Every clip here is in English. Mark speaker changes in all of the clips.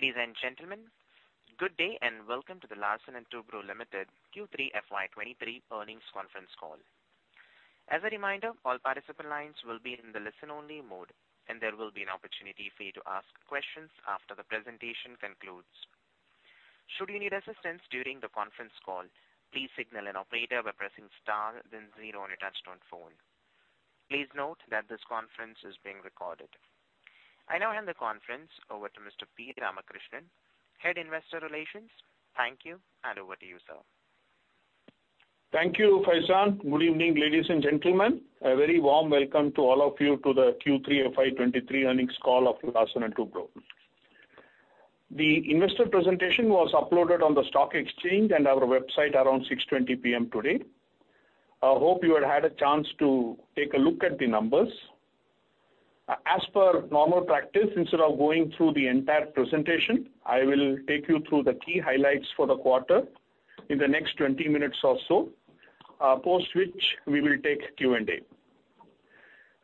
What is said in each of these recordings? Speaker 1: Ladies and gentlemen, good day, welcome to the Larsen & Toubro Limited Q3 FY 2023 Earnings Conference Call. As a reminder, all participant lines will be in the listen-only mode, and there will be an opportunity for you to ask questions after the presentation concludes. Should you need assistance during the conference call, please signal an operator by pressing star then zero on your touch-tone phone. Please note that this conference is being recorded. I now hand the conference over to Mr. P. Ramakrishnan, Head Investor Relations. Thank you, over to you, sir.
Speaker 2: Thank you, Faizan. Good evening, ladies and gentlemen. A very warm welcome to all of you to the Q3 FY 2023 Earnings Call of Larsen & Toubro. The investor presentation was uploaded on the stock exchange and our website around 6:20 P.M. today. I hope you had a chance to take a look at the numbers. As per normal practice, instead of going through the entire presentation, I will take you through the key highlights for the quarter in the next 20 minutes or so, post which we will take Q&A.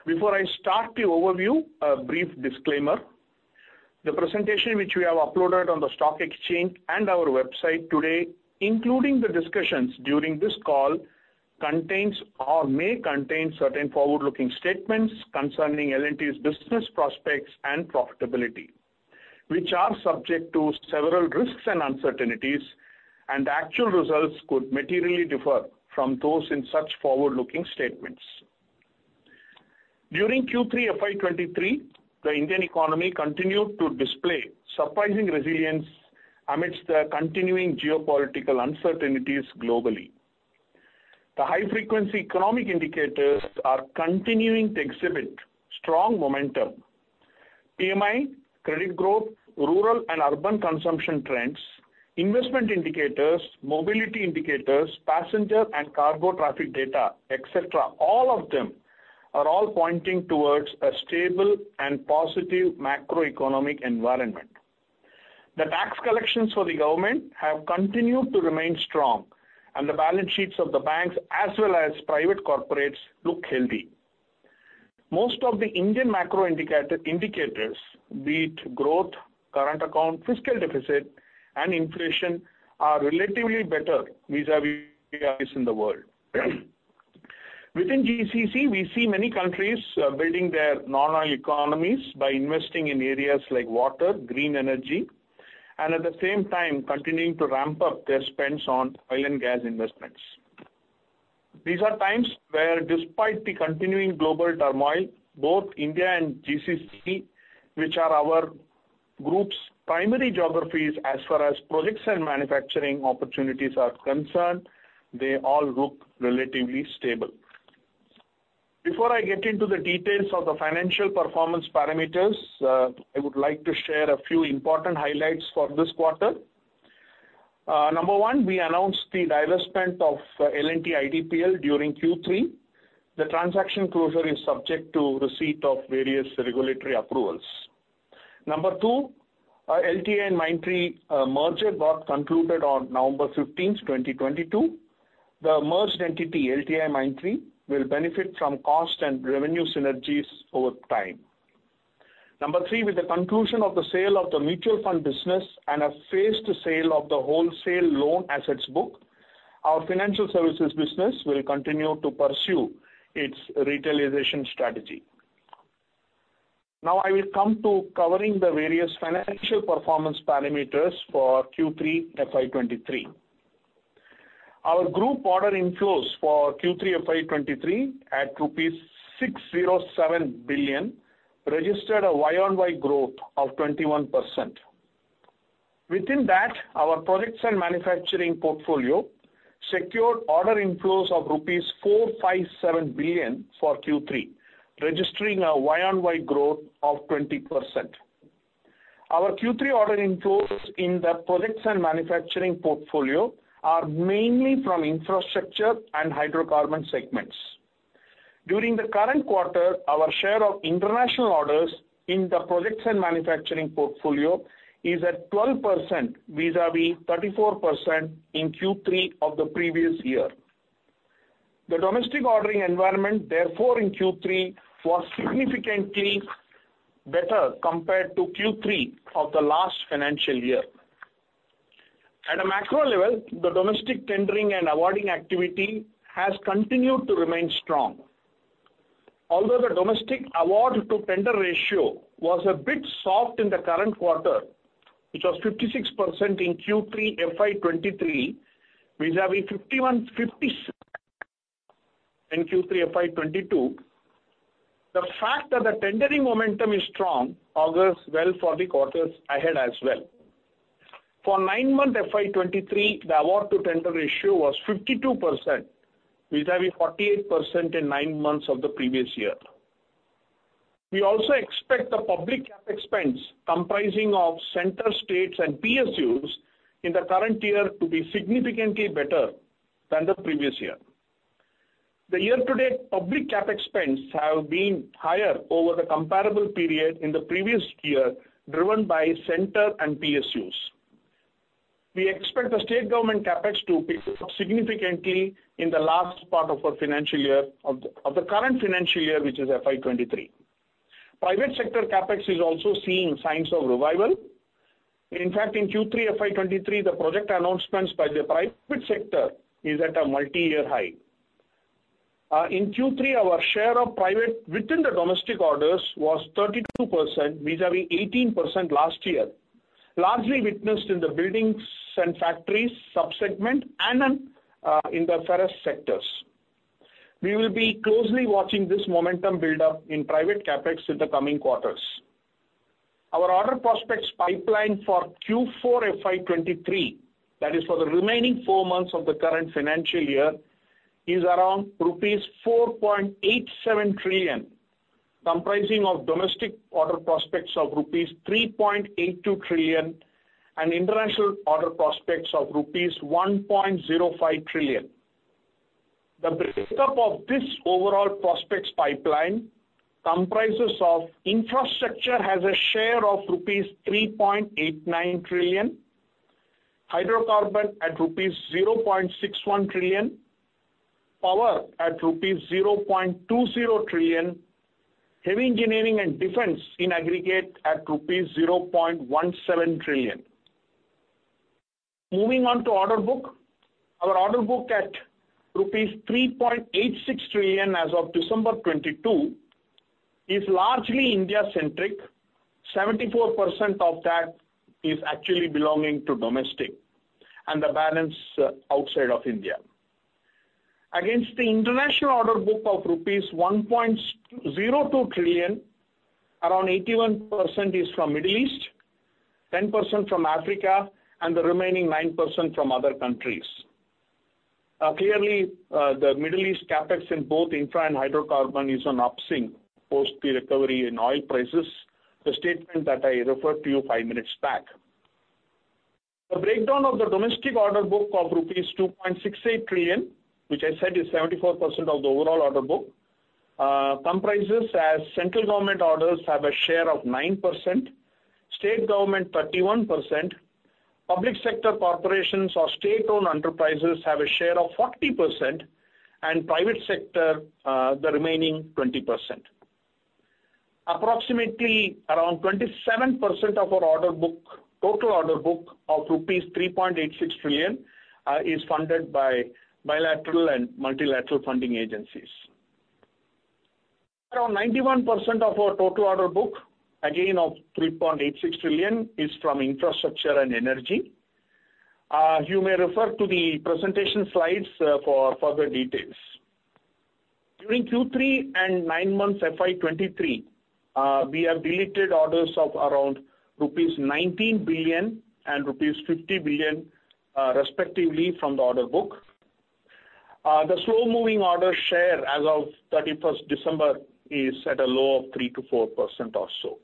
Speaker 2: Before I start the overview, a brief disclaimer. The presentation which we have uploaded on the stock exchange and our website today, including the discussions during this call, contains or may contain certain forward-looking statements concerning L&T's business prospects and profitability, which are subject to several risks and uncertainties, and actual results could materially differ from those in such forward-looking statements. During Q3 FY 2023, the Indian economy continued to display surprising resilience amidst the continuing geopolitical uncertainties globally. The high frequency economic indicators are continuing to exhibit strong momentum. PMI, credit growth, rural and urban consumption trends, investment indicators, mobility indicators, passenger and cargo traffic data, et cetera, all of them are all pointing towards a stable and positive macroeconomic environment. The tax collections for the government have continued to remain strong, and the balance sheets of the banks as well as private corporates look healthy. Most of the Indian macro indicators, be it growth, current account, fiscal deficit, and inflation, are relatively better vis-a-vis the rest in the world. Within GCC, we see many countries building their non-oil economies by investing in areas like water, green energy, and at the same time continuing to ramp up their spends on oil and gas investments. These are times where despite the continuing global turmoil, both India and GCC, which are our group's primary geographies as far as projects and manufacturing opportunities are concerned, they all look relatively stable. Before I get into the details of the financial performance parameters, I would like to share a few important highlights for this quarter. Number one, we announced the divestment of L&T IDPL during Q3. The transaction closure is subject to receipt of various regulatory approvals. Number two, our LTI and Mindtree merger got concluded on November 15th, 2022. The merged entity, LTIMindtree, will benefit from cost and revenue synergies over time. Number three, with the conclusion of the sale of the mutual fund business and a phased sale of the wholesale loan assets book, our financial services business will continue to pursue its Retailization strategy. I will come to covering the various financial performance parameters for Q3 FY 2023. Our group order inflows for Q3 FY 2023 at rupees 607 billion registered a YoY growth of 21%. Our projects and manufacturing portfolio secured order inflows of rupees 457 billion for Q3, registering a YoY growth of 20%. Our Q3 order inflows in the projects and manufacturing portfolio are mainly from infrastructure and hydrocarbon segments. During the current quarter, our share of international orders in the projects and manufacturing portfolio is at 12% vis-a-vis 34% in Q3 of the previous year. The domestic ordering environment, therefore, in Q3 was significantly better compared to Q3 of the Last Financial Year. At a macro level, the domestic tendering and awarding activity has continued to remain strong. Although the domestic award to tender ratio was a bit soft in the current quarter, which was 56% in Q3 FY 2023 vis-a-vis 51 in Q3 FY 2022, the fact that the tendering momentum is strong augurs well for the quarters ahead as well. For nine-month FY 2023, the award to tender ratio was 52% vis-a-vis 48% in nine months of the previous year. We also expect the public CapEx spends comprising of Center, states, and PSUs in the current year to be significantly better than the previous year. The year-to-date public CapEx spends have been higher over the comparable period in the previous year, driven by Center and PSUs. We expect the state government CapEx to pick up significantly in the last part of our Financial Year, of the current financial year, which is FY 2023. Private sector CapEx is also seeing signs of revival. In fact, in Q3 FY 2023, the project announcements by the private sector is at a multi-year high. In Q3, our share of private within the domestic orders was 32% vis-a-vis 18% last year, largely witnessed in the buildings and factories sub-segment and in the ferrous sectors. We will be closely watching this momentum build-up in private CapEx in the coming quarters. Our order prospects pipeline for Q4 FY 2023, that is for the remaining four months of the current financial year, is around rupees 4.87 trillion, comprising of domestic order prospects of rupees 3.82 trillion and international order prospects of rupees 1.05 trillion. The breakup of this overall prospects pipeline comprises of infrastructure has a share of rupees 3.89 trillion, hydrocarbon at rupees 0.61 trillion, power at rupees 0.20 trillion, heavy engineering and defense in aggregate at rupees 0.17 trillion. Moving on to order book. Our order book at rupees 3.86 trillion as of December 2022, is largely India-centric. 74% of that is actually belonging to domestic, and the balance outside of India. Against the international order book of rupees 1.02 trillion, around 81% is from Middle East, 10% from Africa, and the remaining 9% from other countries. Clearly, the Middle East CapEx in both infra and hydrocarbon is on upswing post the recovery in oil prices, the statement that I referred to you fiveminutes back. The breakdown of the domestic order book of rupees 2.68 trillion, which I said is 74% of the overall order book, comprises as central government orders have a share of 9%, state government 31%, public sector corporations or state-owned enterprises have a share of 40%, and private sector, the remaining 20%. Approximately around 27% of our order book, total order book of rupees 3.86 trillion, is funded by bilateral and multilateral funding agencies. Around 91% of our total order book, again of 3.86 trillion, is from infrastructure and energy. You may refer to the presentation slides for further details. During Q3 and nine months FY 2023, we have deleted orders of around rupees 19 billion and rupees 50 billion, respectively from the order book. The slow-moving order share as of 31st December is at a low of 3%-4% or so.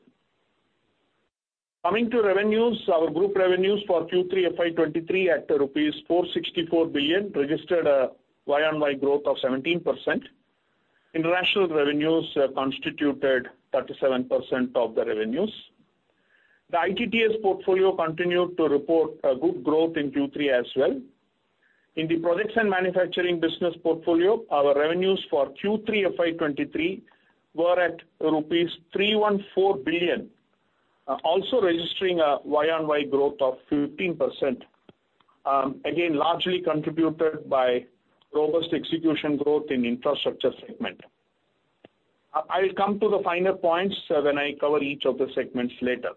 Speaker 2: Coming to revenues, our group revenues for Q3 FY 2023 at rupees 464 billion registered a year-on-year growth of 17%. International revenues constituted 37% of the revenues. The ITTS portfolio continued to report a good growth in Q3 as well. In the projects and manufacturing business portfolio, our revenues for Q3 FY 2023 were at rupees 314 billion, also registering a year-on-year growth of 15%, again, largely contributed by robust execution growth in infrastructure segment. I will come to the finer points when I cover each of the segments later.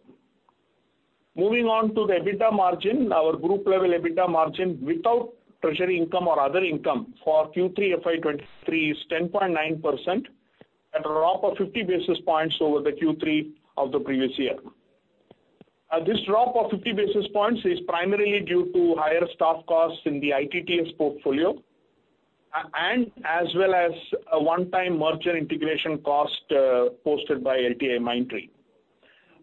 Speaker 2: Moving on to the EBITDA margin, our group level EBITDA margin without treasury income or other income for Q3 FY 2023 is 10.9% at a drop of 50 basis points over the Q3 of the previous year. This drop of 50 basis points is primarily due to higher staff costs in the ITTS portfolio and as well as a one-time merger integration cost posted by LTIMindtree.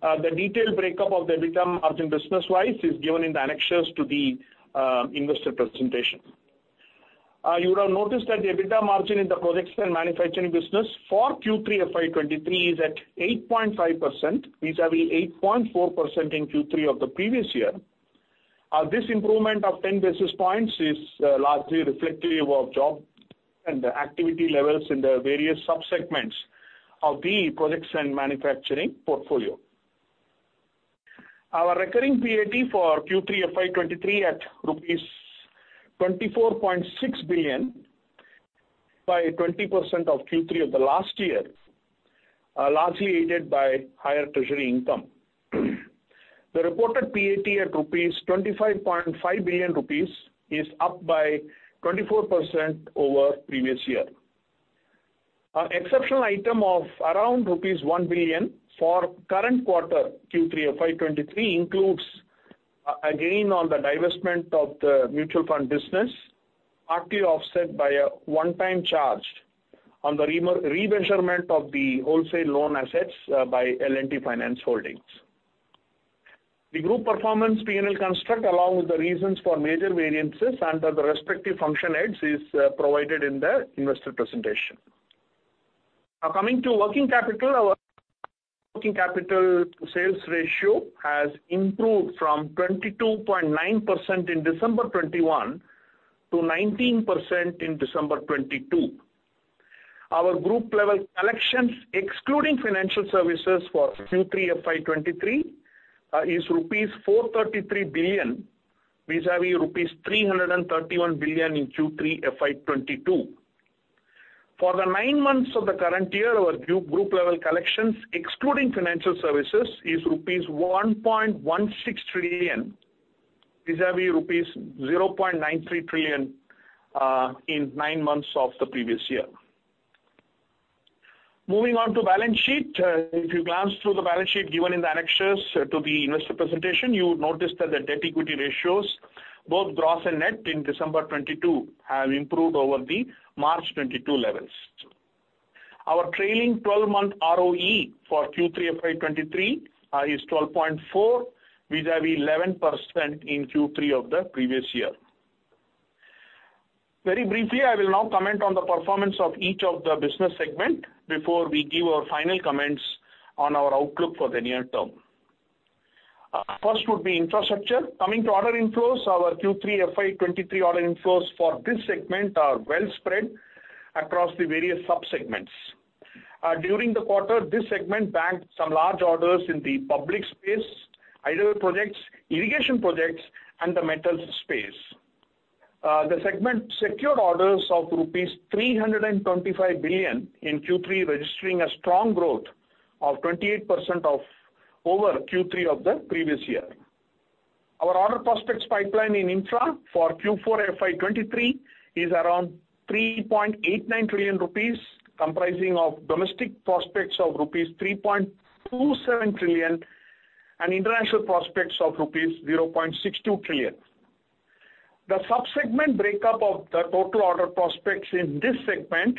Speaker 2: The detailed break-up of the EBITDA margin business-wise is given in the annexures to the investor presentation. You would have noticed that the EBITDA margin in the projects and manufacturing business for Q3 FY 2023 is at 8.5% vis-a-vis 8.4% in Q3 of the previous year. This improvement of 10 basis points is largely reflective of job and activity levels in the various sub-segments of the projects and manufacturing portfolio. Our recurring PAT for Q3 FY 2023 at rupees 24.6 billion by 20% of Q3 of the last year, largely aided by higher treasury income. The reported PAT at 25.5 billion rupees is up by 24% over previous year. An exceptional item of around rupees 1 billion for current quarter Q3 FY 2023 includes a gain on the divestment of the mutual fund business, partly offset by a one-time charge on the remeasurement of the wholesale loan assets by L&T Finance Holdings. The group performance P&L construct, along with the reasons for major variances under the respective function heads, is provided in the investor presentation. Coming to working capital, our working capital sales ratio has improved from 22.9% in December 2021 to 19% in December 2022. Our group level collections, excluding financial services for Q3 FY 2023, is INR 433 billion, vis-a-vis rupees 331 billion in Q3 FY 2022. For the nine months of the current year, our group level collections, excluding financial services, is rupees 1.16 trillion, vis-a-vis rupees 0.93 trillion in nine months of the previous year. Moving on to balance sheet. If you glance through the balance sheet given in the annexures to the investor presentation, you would notice that the debt equity ratios, both gross and net in December 2022, have improved over the March 2022 levels. Our trailing 12-month ROE for Q3 FY 2023 is 12.4, vis-a-vis 11% in Q3 of the previous year. Very briefly, I will now comment on the performance of each of the business segment before we give our final comments on our outlook for the near term. First would be infrastructure. Coming to order inflows, our Q3 FY 2023 order inflows for this segment are well spread across the various sub-segments. During the quarter, this segment banked some large orders in the public space, highway projects, irrigation projects, and the metals space. The segment secured orders of rupees 325 billion in Q3, registering a strong growth of 28% of over Q3 of the previous year. Our order prospects pipeline in infra for Q4 FY 2023 is around 3.89 trillion rupees, comprising of domestic prospects of rupees 3.27 trillion and international prospects of rupees 0.62 trillion. The sub-segment break-up of the total order prospects in this segment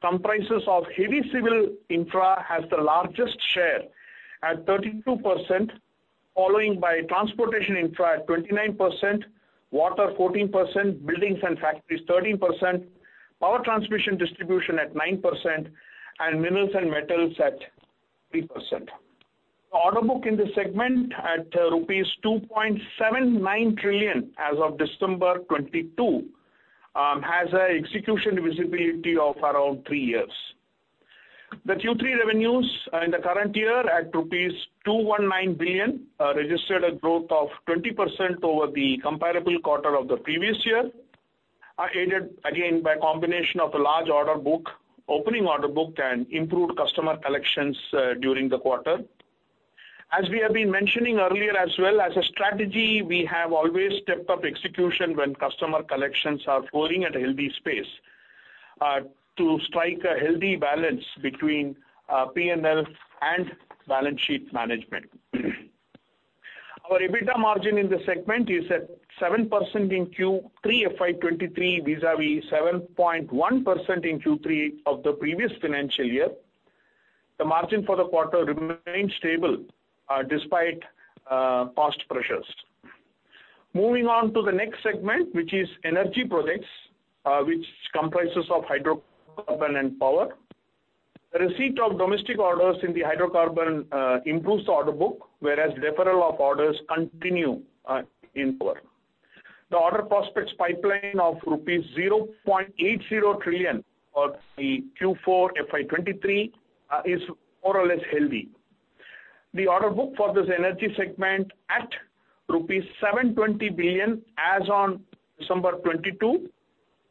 Speaker 2: comprises of heavy civil infra has the largest share at 32%, following by transportation infra at 29%, water 14%, buildings and factories 13%, power transmission distribution at 9%, and minerals and metals at 3%. Order book in the segment at rupees 2.97 trillion as of December 2022, has an execution visibility of around three years. The Q3 revenues in the current year at rupees 219 billion, registered a growth of 20% over the comparable quarter of the previous year, aided again by a combination of a large order book, opening order book and improved customer collections during the quarter. As we have been mentioning earlier as well as a strategy, we have always stepped up execution when customer collections are flowing at a healthy space, to strike a healthy balance between P&L and balance sheet management. Our EBITDA margin in the segment is at 7% in Q3 FY 2023 vis-a-vis 7.1% in Q3 of the previous financial year. The margin for the quarter remained stable, despite cost pressures. Moving on to the next segment, which is energy projects, which comprises of hydrocarbon and power. The receipt of domestic orders in the hydrocarbon, improves the order book, whereas deferral of orders continue in power. The order prospects pipeline of rupees 0.80 trillion for the Q4 FY 2023, is more or less healthy. The order book for this energy segment at rupees 720 billion as on December 2022,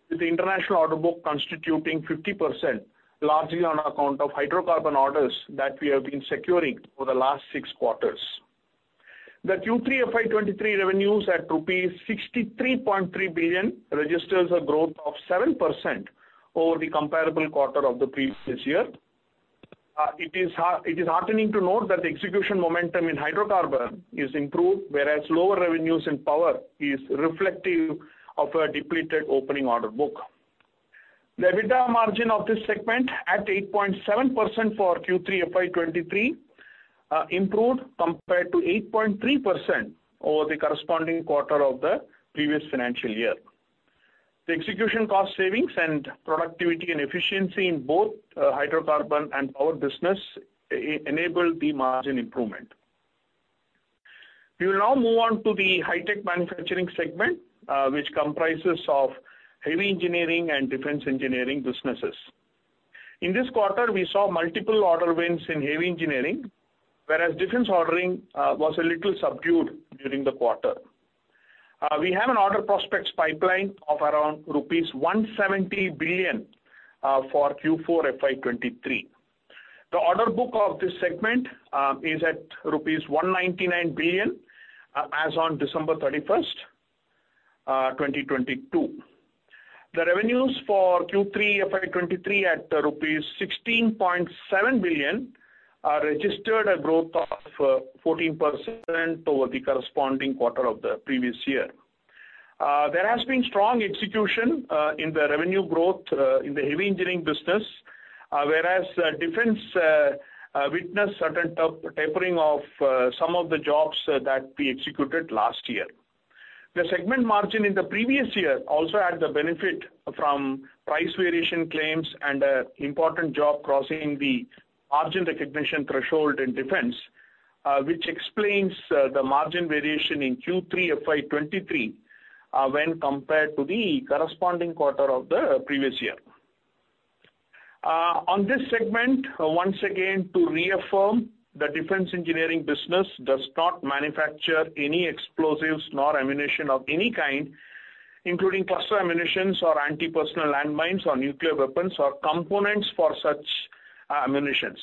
Speaker 2: with the international order book constituting 50%, largely on account of hydrocarbon orders that we have been securing for the last six quarters. The Q3 FY 2023 revenues at rupees 63.3 billion registers a growth of 7% over the comparable quarter of the previous year. it is heartening to note that the execution momentum in hydrocarbon is improved, whereas lower revenues in power is reflective of a depleted opening order book. The EBITDA margin of this segment at 8.7% for Q3 FY 2023 improved compared to 8.3% over the corresponding quarter of the previous financial year. The execution cost savings and productivity and efficiency in both hydrocarbon and power business enable the margin improvement. We will now move on to the High-Tech Manufacturing segment, which comprises of Heavy Engineering and Defense Engineering businesses. In this quarter, we saw multiple order wins in Heavy Engineering, whereas Defense ordering was a little subdued during the quarter. We have an order prospects pipeline of around rupees 170 billion for Q4 FY 2023. The order book of this segment is at rupees 199 billion as on December 31, 2022. The revenues for Q3 FY23 at rupees 16.7 billion registered a growth of 14% over the corresponding quarter of the previous year. There has been strong execution in the revenue growth in the heavy engineering business, whereas defense witnessed certain tapering of some of the jobs that we executed last year. The segment margin in the previous year also had the benefit from price variation claims and an important job crossing the margin recognition threshold in defense, which explains the margin variation in Q3 FY 2023 when compared to the corresponding quarter of the previous year. On this segment, once again, to reaffirm the defense engineering business does not manufacture any explosives nor ammunition of any kind, including cluster ammunitions or anti-personnel landmines or nuclear weapons or components for such ammunitions.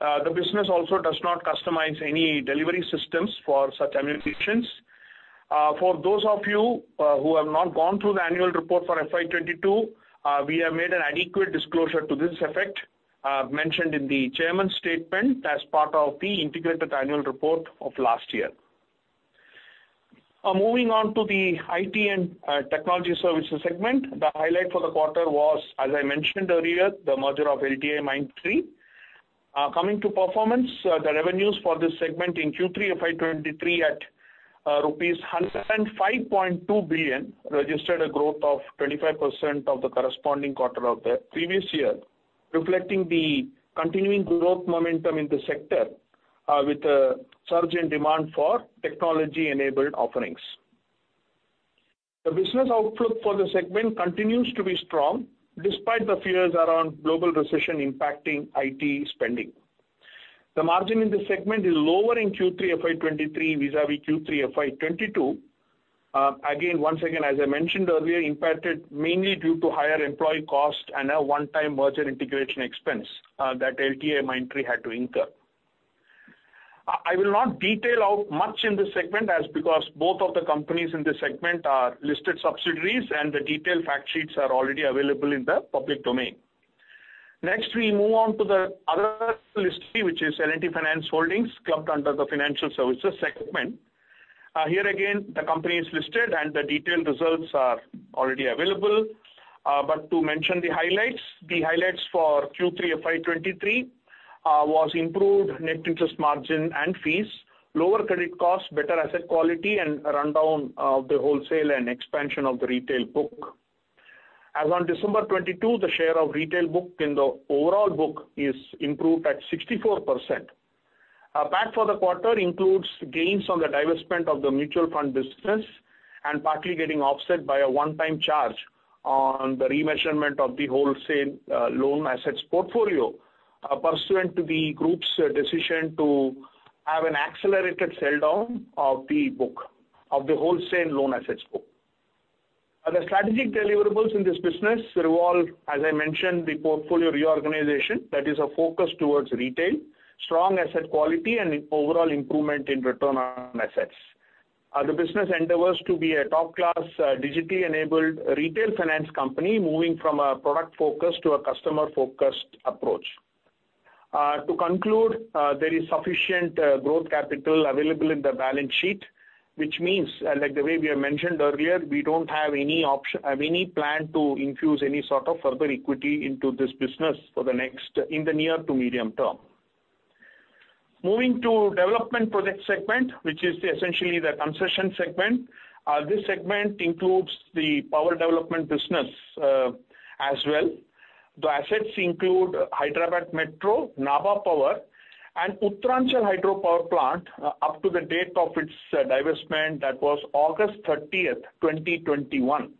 Speaker 2: The business also does not customize any delivery systems for such ammunitions. For those of you who have not gone through the annual report for FY 2022, we have made an adequate disclosure to this effect, mentioned in the chairman's statement as part of the integrated annual report of last year. Moving on to the IT and technology services segment. The highlight for the quarter was, as I mentioned earlier, the merger of LTIMindtree. Coming to performance, the revenues for this segment in Q3 FY 2023 at rupees 105.2 billion registered a growth of 25% of the corresponding quarter of the previous year, reflecting the continuing growth momentum in the sector, with a surge in demand for technology-enabled offerings. The business outlook for the segment continues to be strong despite the fears around global recession impacting IT spending. The margin in this segment is lower in Q3 FY 2023 vis-a-vis Q3 FY 2022. Again, once again, as I mentioned earlier, impacted mainly due to higher employee costs and a one-time merger integration expense that LTIMindtree had to incur. I will not detail out much in this segment as because both of the companies in this segment are listed subsidiaries and the detailed fact sheets are already available in the public domain. We move on to the other listing, which is L&T Finance Holdings clubbed under the financial services segment. Here again, the company is listed and the detailed results are already available. To mention the highlights. The highlights for Q3 FY 2023 was improved net interest margin and fees, lower credit costs, better asset quality, and a rundown of the wholesale and expansion of the retail book. As on December 22, the share of retail book in the overall book is improved at 64%. Our PAT for the quarter includes gains on the divestment of the mutual fund business and partly getting offset by a one-time charge on the remeasurement of the wholesale loan assets portfolio pursuant to the group's decision to have an accelerated sell-down of the book of the wholesale loan assets book. The strategic deliverables in this business revolve, as I mentioned, the portfolio reorganization that is a focus towards retail, strong asset quality and overall improvement in return on assets. The business endeavors to be a top-class digitally enabled retail finance company moving from a product focus to a customer-focused approach. To conclude, there is sufficient growth capital available in the balance sheet, which means, like the way we have mentioned earlier, we don't have any plan to infuse any sort of further equity into this business for the next... in the near to medium term. Moving to development project segment, which is essentially the concession segment. This segment includes the power development business as well. The assets include Hyderabad Metro, Nabha Power and Uttaranchal Hydropower Plant, up to the date of its divestment, that was August 30th, 2021.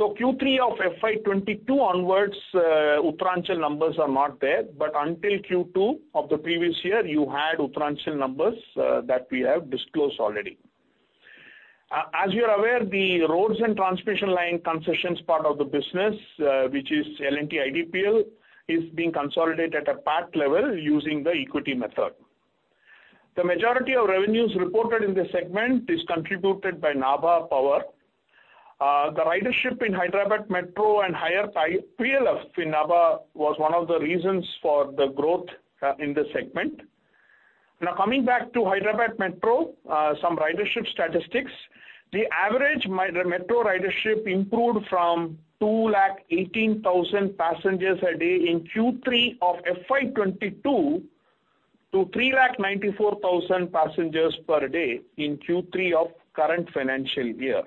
Speaker 2: Q3 of FY 2022 onwards, Uttaranchal numbers are not there. Until Q2 of the previous year, you had Uttaranchal numbers that we have disclosed already. As you are aware, the roads and transmission line concessions part of the business, which is L&T IDPL, is being consolidated at a PAT level using the equity method. The majority of revenues reported in this segment is contributed by Nabha Power. The ridership in Hyderabad Metro and higher PLF in Nabha was one of the reasons for the growth in this segment. Coming back to Hyderabad Metro, some ridership statistics. The average metro ridership improved from 218,000 passengers a day in Q3 of FY 2022 to 394,000 passengers per day in Q3 of current financial year.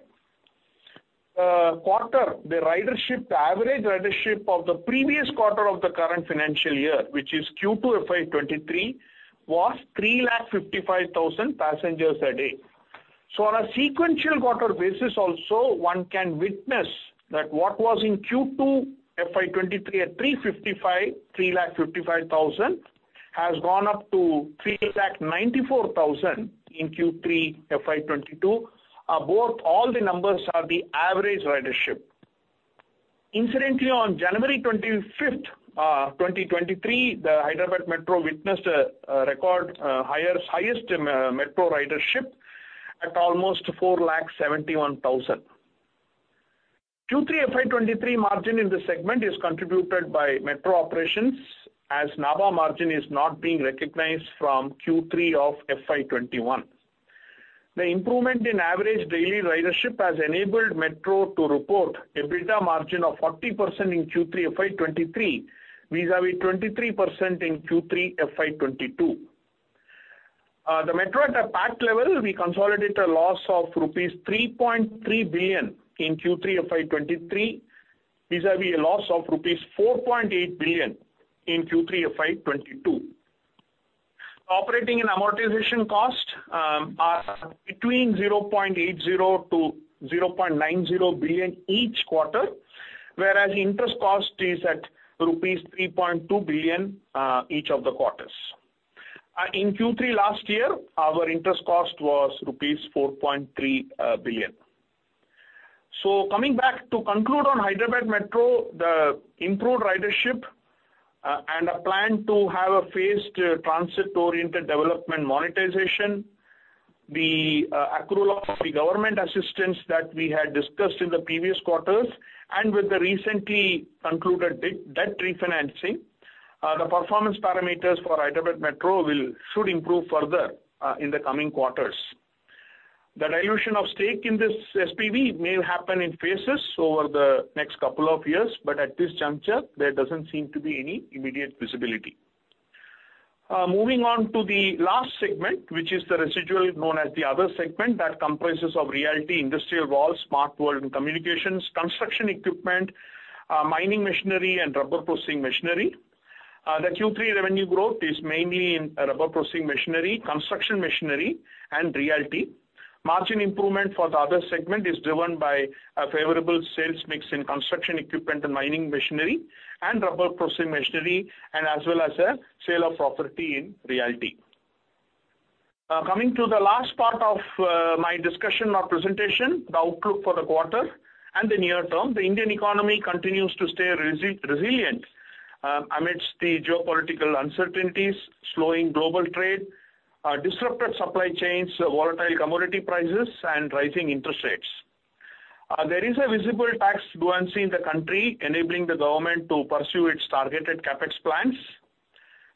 Speaker 2: The average ridership of the previous quarter of the current financial year, which is Q2 FY 2023, was 355,000 passengers a day. On a sequential quarter basis also, one can witness that what was in Q2 FY 2023 at 3,55,000 has gone up to 3,94,000 in Q3 FY 2022. Both all the numbers are the average ridership. Incidentally, on January 25th, 2023, the Hyderabad Metro witnessed a record highest metro ridership at almost 4,71,000. Q3 FY 2023 margin in this segment is contributed by metro operations as Nabha margin is not being recognized from Q3 FY21. The improvement in average daily ridership has enabled Metro to report EBITDA margin of 40% in Q3 FY 2023 vis-a-vis 23% in Q3 FY 2022. The metro at a PAT level, we consolidate a loss of rupees 3.3 billion in Q3 FY 2023. Vis-a-vis a loss of rupees 4.8 billion in Q3 of FY 2022. Operating and amortization costs are between 0.80 billion-0.90 billion each quarter, whereas interest cost is at rupees 3.2 billion each of the quarters. In Q3 last year, our interest cost was rupees 4.3 billion. Coming back to conclude on Hyderabad Metro, the improved ridership, and a plan to have a phased transit-oriented development monetization, the accrual of the government assistance that we had discussed in the previous quarters, and with the recently concluded de-debt refinancing, the performance parameters for Hyderabad Metro should improve further in the coming quarters. The dilution of stake in this SPV may happen in phases over the next couple of years, but at this juncture, there doesn't seem to be any immediate visibility. Moving on to the last segment, which is the residual known as the other segment that comprises of realty, industrial Valvess, Smart World & Communication, construction equipment, mining machinery and rubber processing machinery. The Q3 revenue growth is mainly in rubber processing machinery, construction machinery and realty. Margin improvement for the other segment is driven by a favorable sales mix in construction equipment and mining machinery and rubber processing machinery, and as well as a sale of property in realty. Coming to the last part of my discussion or presentation, the outlook for the quarter and the near term. The Indian economy continues to stay resilient amidst the geopolitical uncertainties, slowing global trade, disrupted supply chains, volatile commodity prices and rising interest rates. There is a visible tax buoyancy in the country enabling the government to pursue its targeted CapEx plans.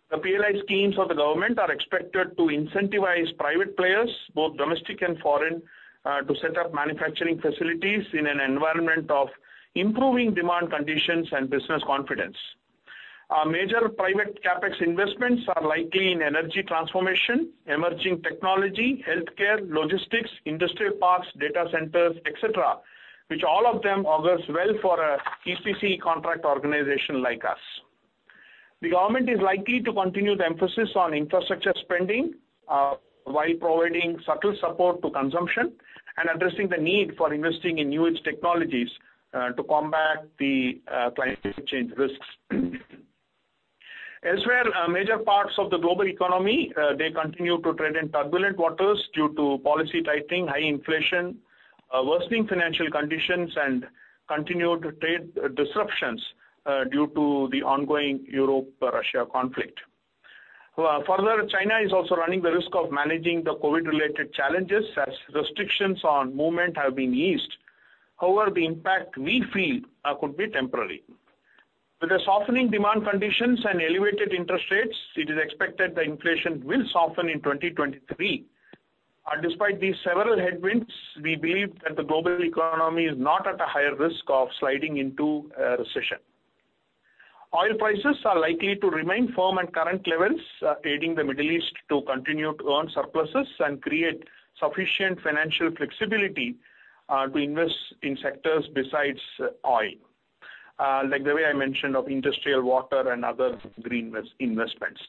Speaker 2: The PLI schemes of the government are expected to incentivize private players, both domestic and foreign, to set up manufacturing facilities in an environment of improving demand conditions and business confidence. Major private CapEx investments are likely in energy transformation, emerging technology, healthcare, logistics, industrial parks, data centers, et cetera, which all of them augurs well for an EPC contract organization like us. The government is likely to continue the emphasis on infrastructure spending, while providing subtle support to consumption and addressing the need for investing in new-age technologies to combat the climate change risks. Elsewhere, major parts of the global economy, they continue to tread in turbulent waters due to policy tightening, high inflation, worsening financial conditions and continued trade disruptions due to the ongoing Europe-Russia conflict. Further, China is also running the risk of managing the COVID-related challenges as restrictions on movement have been eased. However, the impact we feel, could be temporary. With the softening demand conditions and elevated interest rates, it is expected that inflation will soften in 2023. Despite these several headwinds, we believe that the global economy is not at a higher risk of sliding into a recession. Oil prices are likely to remain firm at current levels, aiding the Middle East to continue to earn surpluses and create sufficient financial flexibility, to invest in sectors besides oil. Like the way I mentioned of industrial water and other green investments.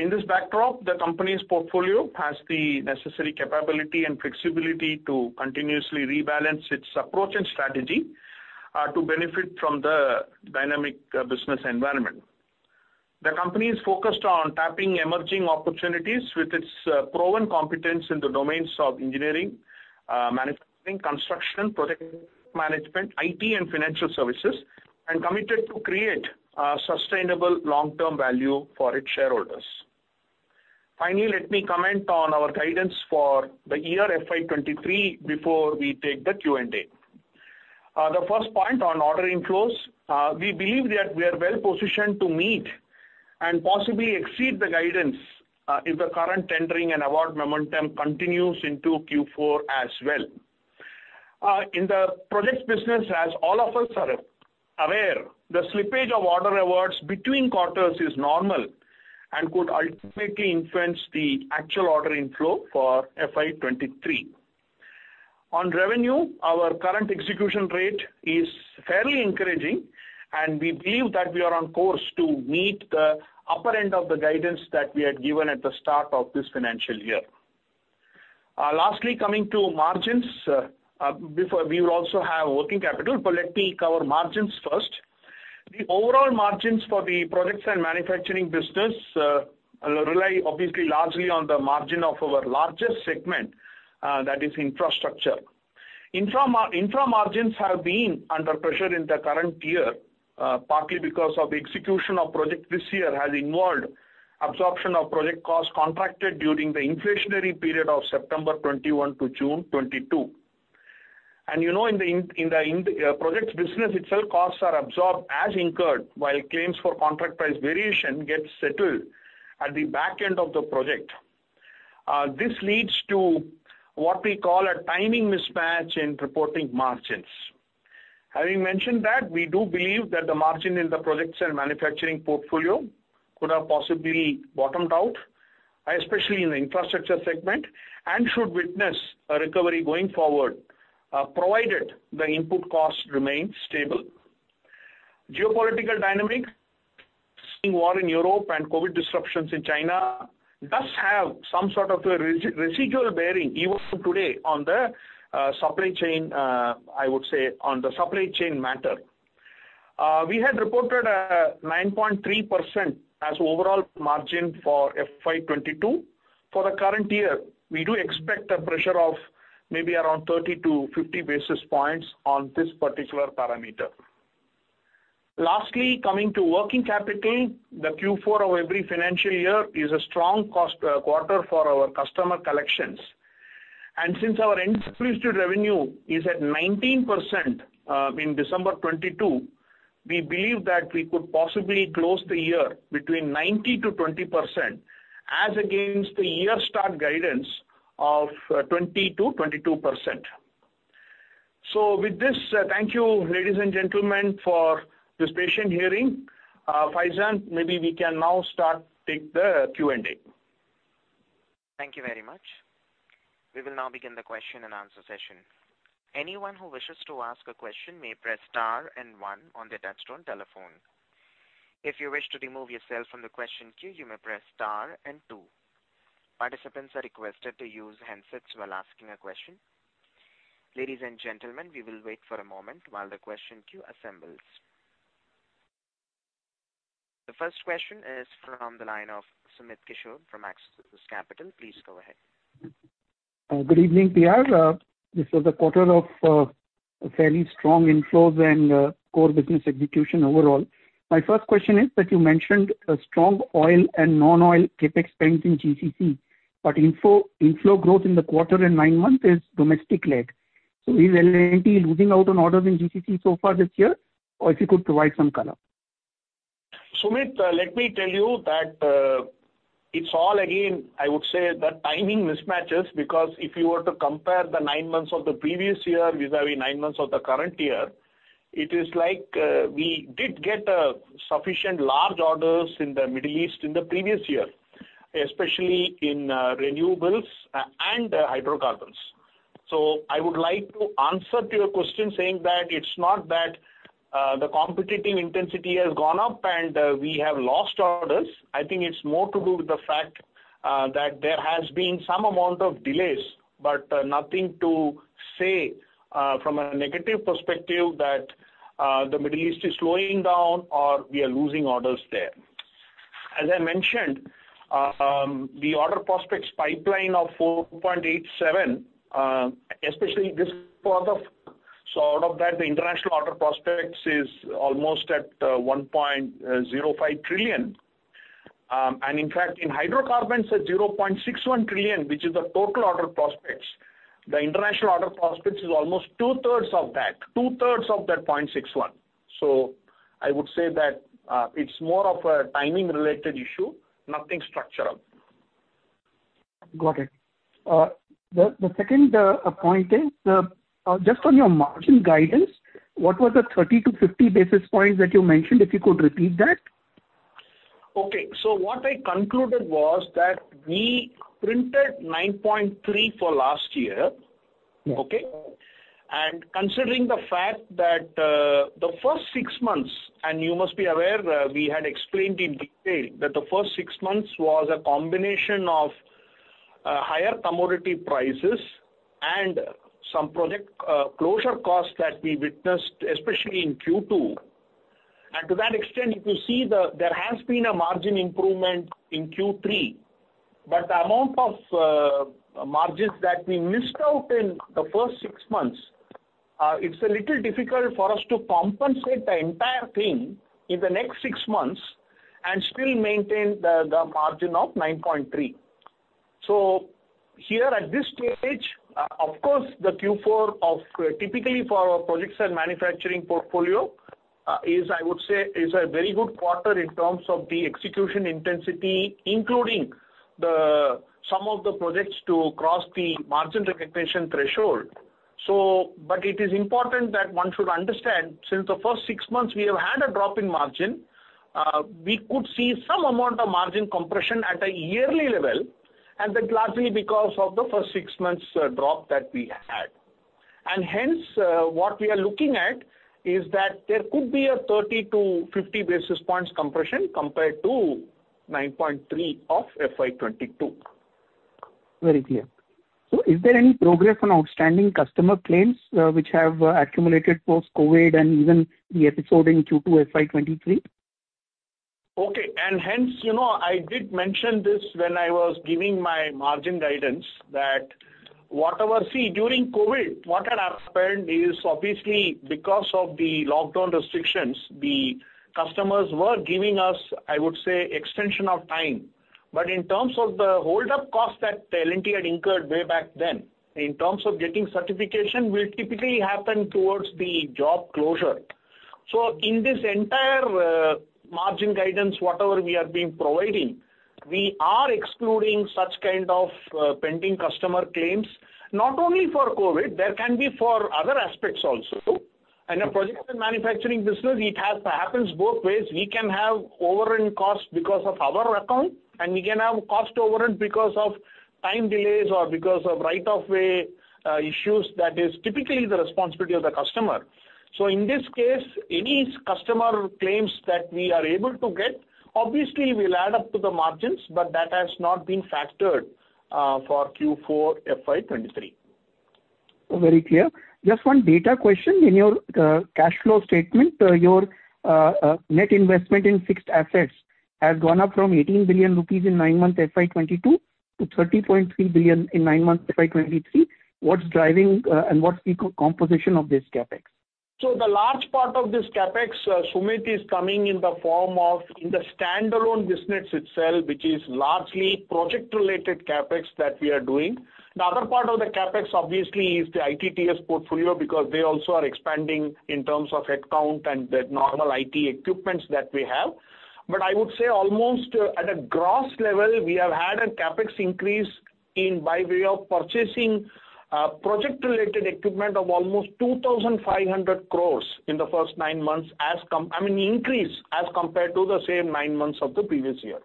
Speaker 2: In this backdrop, the company's portfolio has the necessary capability and flexibility to continuously rebalance its approach and strategy, to benefit from the dynamic business environment. The company is focused on tapping emerging opportunities with its proven competence in the domains of engineering, manufacturing, construction, project management, IT and financial services, and committed to create sustainable long-term value for its shareholders. Let me comment on our guidance for the year FY 2023 before we take the Q&A. The first point on order inflows. We believe that we are well positioned to meet and possibly exceed the guidance if the current tendering and award momentum continues into Q4 as well. In the projects business, as all of us are aware, the slippage of order awards between quarters is normal and could ultimately influence the actual order inflow for FY 2023. On revenue, our current execution rate is fairly encouraging, and we believe that we are on course to meet the upper end of the guidance that we had given at the start of this financial year. Lastly, coming to margins. We will also have working capital, but let me cover margins first. The overall margins for the products and manufacturing business rely obviously largely on the margin of our largest segment, that is infrastructure. Infra margins have been under pressure in the current year, partly because of execution of project this year has involved absorption of project costs contracted during the inflationary period of September 2021 to June 2022. You know, in the projects business itself, costs are absorbed as incurred while claims for contract price variation get settled at the back end of the project. This leads to what we call a timing mismatch in reporting margins. Having mentioned that, we do believe that the margin in the projects and manufacturing portfolio could have possibly bottomed out, especially in the infrastructure segment, and should witness a recovery going forward, provided the input costs remain stable. Geopolitical dynamics, seeing war in Europe and COVID disruptions in China does have some sort of a residual bearing even today on the supply chain, I would say, on the supply chain matter. We had reported 9.3% as overall margin for FY 2022. For the current year, we do expect a pressure of maybe around 30 to 50 basis points on this particular parameter. Lastly, coming to working capital, the Q4 of every financial year is a strong cost quarter for our customer collections. Since our inclusive revenue is at 19% in December 2022, we believe that we could possibly close the year between 90%-20% as against the year start guidance of 20%-22%. With this, thank you, ladies and gentlemen, for this patient hearing. Faizan, maybe we can now start take the Q&A.
Speaker 1: Thank you very much. We will now begin the question-and-answer session. Anyone who wishes to ask a question may press star and one on their touch-tone telephone. If you wish to remove yourself from the question queue, you may press star and two. Participants are requested to use handsets while asking a question. Ladies and gentlemen, we will wait for a moment while the question queue assembles. The first question is from the line of Sumit Kishore from Axis Capital. Please go ahead.
Speaker 3: Good evening, Piar. This was a quarter of fairly strong inflows and core business execution overall. My first question is that you mentioned a strong oil and non-oil CapEx spend in GCC, inflow growth in the quarter and nine months is domestic-led. Is L&T losing out on orders in GCC so far this year, or if you could provide some color?
Speaker 2: Sumit, let me tell you that, it's all again, I would say, the timing mismatches, because if you were to compare the nine months of the previous year vis-à-vis nine months of the current year, it is like, we did get sufficient large orders in the Middle East in the previous year, especially in renewables and hydrocarbons. I would like to answer to your question saying that it's not that, the competitive intensity has gone up and, we have lost orders. I think it's more to do with the fact, that there has been some amount of delays, but nothing to say, from a negative perspective that, the Middle East is slowing down or we are losing orders there. As I mentioned, the order prospects pipeline of 4.87, especially this quarter. Out of that, the international order prospects is almost at 1.05 trillion. In fact, in hydrocarbons at 0.61 trillion, which is the total order prospects, the international order prospects is almost two-thirds of that, two-thirds of that 0.61. I would say that, it's more of a timing related issue, nothing structural.
Speaker 3: Got it. The second point is just on your margin guidance, what was the 30 to 50 basis points that you mentioned, if you could repeat that?
Speaker 2: Okay. What I concluded was that we printed 9.3 for last year.
Speaker 3: Mm-hmm.
Speaker 2: Okay? Considering the fact that the first six months, and you must be aware, we had explained in detail that the first six months was a combination of higher commodity prices and some project closure costs that we witnessed, especially in Q2. To that extent, if you see, there has been a margin improvement in Q3, but the amount of margins that we missed out in the first six months, it's a little difficult for us to compensate the entire thing in the next six months and still maintain the margin of 9.3. Here at this stage, of course, the Q4 typically for our projects and manufacturing portfolio is I would say a very good quarter in terms of the execution intensity, including some of the projects to cross the margin recognition threshold. But it is important that one should understand, since the first six months we have had a drop in margin, we could see some amount of margin compression at a yearly level, and that largely because of the first six months drop that we had. Hence, what we are looking at is that there could be a 30 to 50 basis points compression compared to 9.3% of FY 2022.
Speaker 3: Very clear. Is there any progress on outstanding customer claims which have accumulated post-COVID and even the episode in Q2 FY 2023?
Speaker 2: Okay. Hence, you know, I did mention this when I was giving my margin guidance that See, during COVID, what had happened is obviously because of the lockdown restrictions, the customers were giving us, I would say, extension of time. In terms of the holdup cost that L&T had incurred way back then in terms of getting certification will typically happen towards the job closure. In this entire margin guidance, whatever we are being providing, we are excluding such kind of pending customer claims, not only for COVID, there can be for other aspects also. In a project and manufacturing business, it has to happens both ways. We can have overran costs because of our account, and we can have cost overran because of time delays or because of right of way issues that is typically the responsibility of the customer. In this case, any customer claims that we are able to get, obviously will add up to the margins, but that has not been factored for Q4 FY 2023.
Speaker 3: Very clear. Just one data question. In your cash flow statement, your net investment in fixed assets has gone up from 18 billion rupees in 9-month FY22 to 30.3 billion in nine-month FY 2023. What's driving, and what's the co-composition of this CapEx?
Speaker 2: The large part of this CapEx, Sumit, is coming in the form of in the standalone business itself, which is largely project-related CapEx that we are doing. The other part of the CapEx obviously is the ITTS portfolio because they also are expanding in terms of headcount and the normal IT equipments that we have. I would say almost at a gross level, we have had a CapEx increase in by way of purchasing project-related equipment of almost 2,500 crores in the first nine months I mean, increase as compared to the same nine months of the previous year.